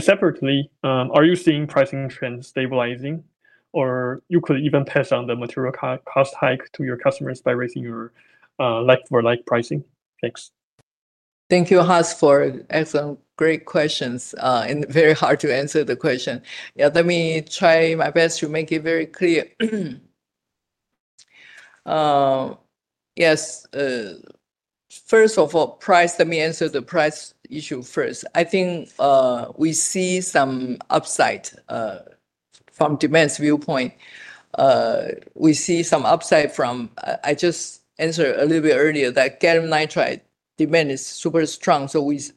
Separately, are you seeing pricing trends stabilizing? Or you could even pass on the material cost hike to your customers by raising your like-for-like pricing? Thanks. Thank you, Has, for excellent, great questions and very hard to answer the question. Yeah, let me try my best to make it very clear. Yes. First of all, price, let me answer the price issue first. I think we see some upside. From demand's viewpoint. We see some upside from, I just answered a little bit earlier, that gallium nitride demand is super strong.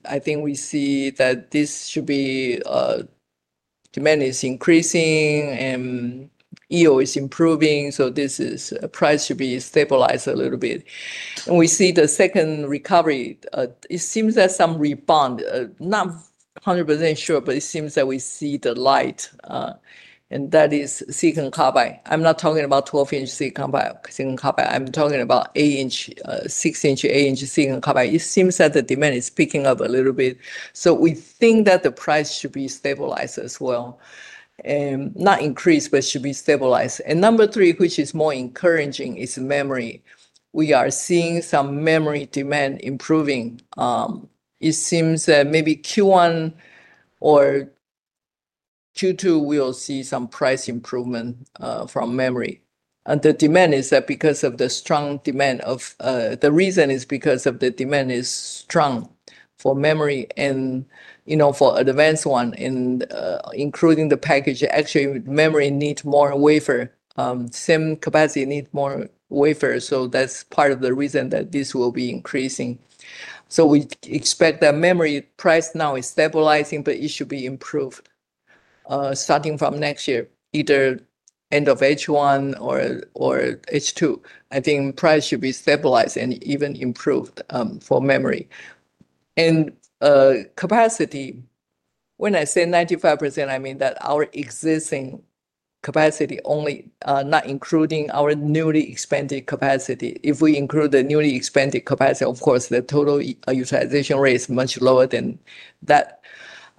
I think we see that this should be. Demand is increasing and. Yield is improving. This is price should be stabilized a little bit. We see the second recovery. It seems that some rebound, not 100% sure, but it seems that we see the light. That is silicon carbide. I'm not talking about 12-inch silicon carbide. I'm talking about 8-inch, 6-inch, 8-inch silicon carbide. It seems that the demand is picking up a little bit. We think that the price should be stabilized as well. Not increased, but should be stabilized. Number three, which is more encouraging, is memory. We are seeing some memory demand improving. It seems that maybe Q1 or Q2, we'll see some price improvement from memory. The demand is that because of the strong demand of the reason is because the demand is strong for memory and for advanced one, including the package. Actually, memory needs more wafer. Same capacity needs more wafer. That's part of the reason that this will be increasing. We expect that memory price now is stabilizing, but it should be improved. Starting from next year, either end of H1 or H2, I think price should be stabilized and even improved for memory. Capacity, when I say 95%, I mean that our existing capacity only, not including our newly expanded capacity. If we include the newly expanded capacity, of course, the total utilization rate is much lower than that.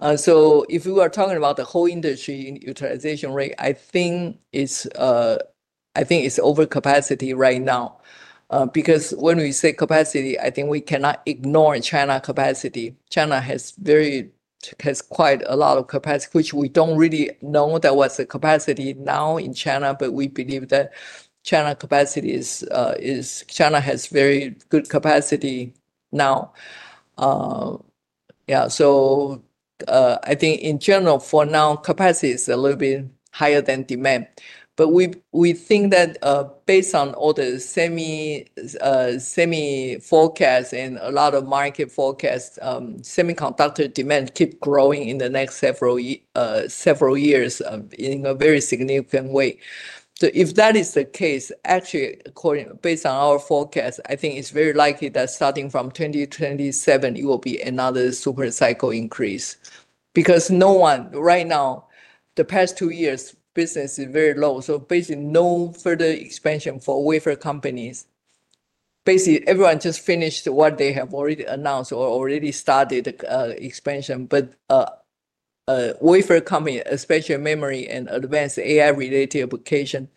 If we are talking about the whole industry utilization rate, I think it's overcapacity right now. Because when we say capacity, I think we cannot ignore China capacity. China has quite a lot of capacity, which we do not really know what is the capacity now in China, but we believe that China capacity is. China has very good capacity now. Yeah. I think in general, for now, capacity is a little bit higher than demand. We think that based on all the semi forecasts and a lot of market forecasts, semiconductor demand keeps growing in the next several years in a very significant way. If that is the case, actually, based on our forecast, I think it is very likely that starting from 2027, it will be another super cycle increase. Because no one, right now, the past two years, business is very low. Basically, no further expansion for wafer companies. Basically, everyone just finished what they have already announced or already started expansion. Wafer companies, especially memory and advanced AI-related applications,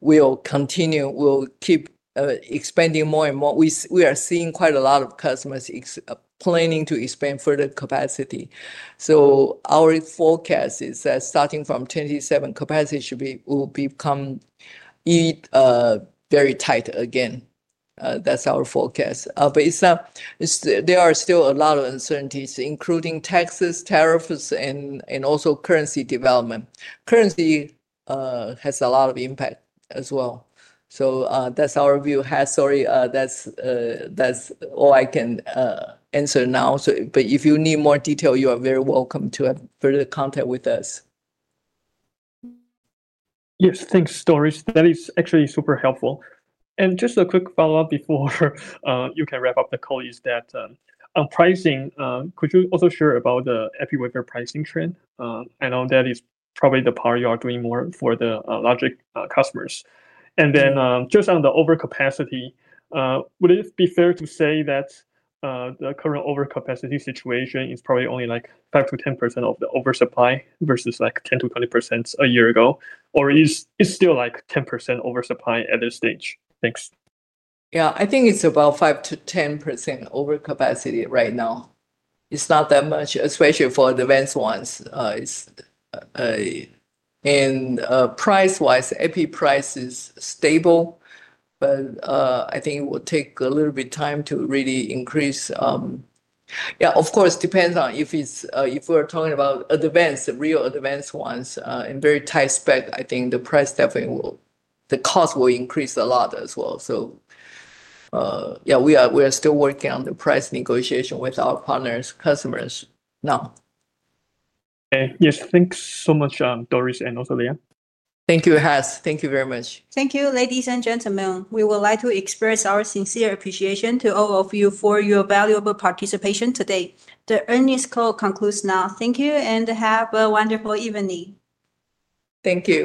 will continue, will keep expanding more and more. We are seeing quite a lot of customers planning to expand further capacity. Our forecast is that starting from 2027, capacity will become very tight again. That is our forecast. There are still a lot of uncertainties, including taxes, tariffs, and also currency development. Currency has a lot of impact as well. That is our view. Sorry, that is all I can answer now. If you need more detail, you are very welcome to have further contact with us. Yes, thanks, Doris. That is actually super helpful. Just a quick follow-up before you can wrap up, the colleagues that, on pricing, could you also share about the EPI wafer pricing trend? I know that is probably the part you are doing more for the logic customers. Then just on the overcapacity, would it be fair to say that the current overcapacity situation is probably only like 5%-10% of the oversupply versus like 10%-20% a year ago? Or is it still like 10% oversupply at this stage? Thanks. Yeah, I think it is about 5%-10% overcapacity right now. It is not that much, especially for advanced ones. Price-wise, EPI price is stable. I think it will take a little bit of time to really increase. Of course, depends on if we are talking about advanced, real advanced ones and very tight spec, I think the price definitely will, the cost will increase a lot as well. We are still working on the price negotiation with our partners, customers now. Okay. Yes, thanks so much, Doris, and also Leah. Thank you, Has. Thank you very much. Thank you, ladies and gentlemen. We would like to express our sincere appreciation to all of you for your valuable participation today. The earnings call concludes now. Thank you and have a wonderful evening. Thank you.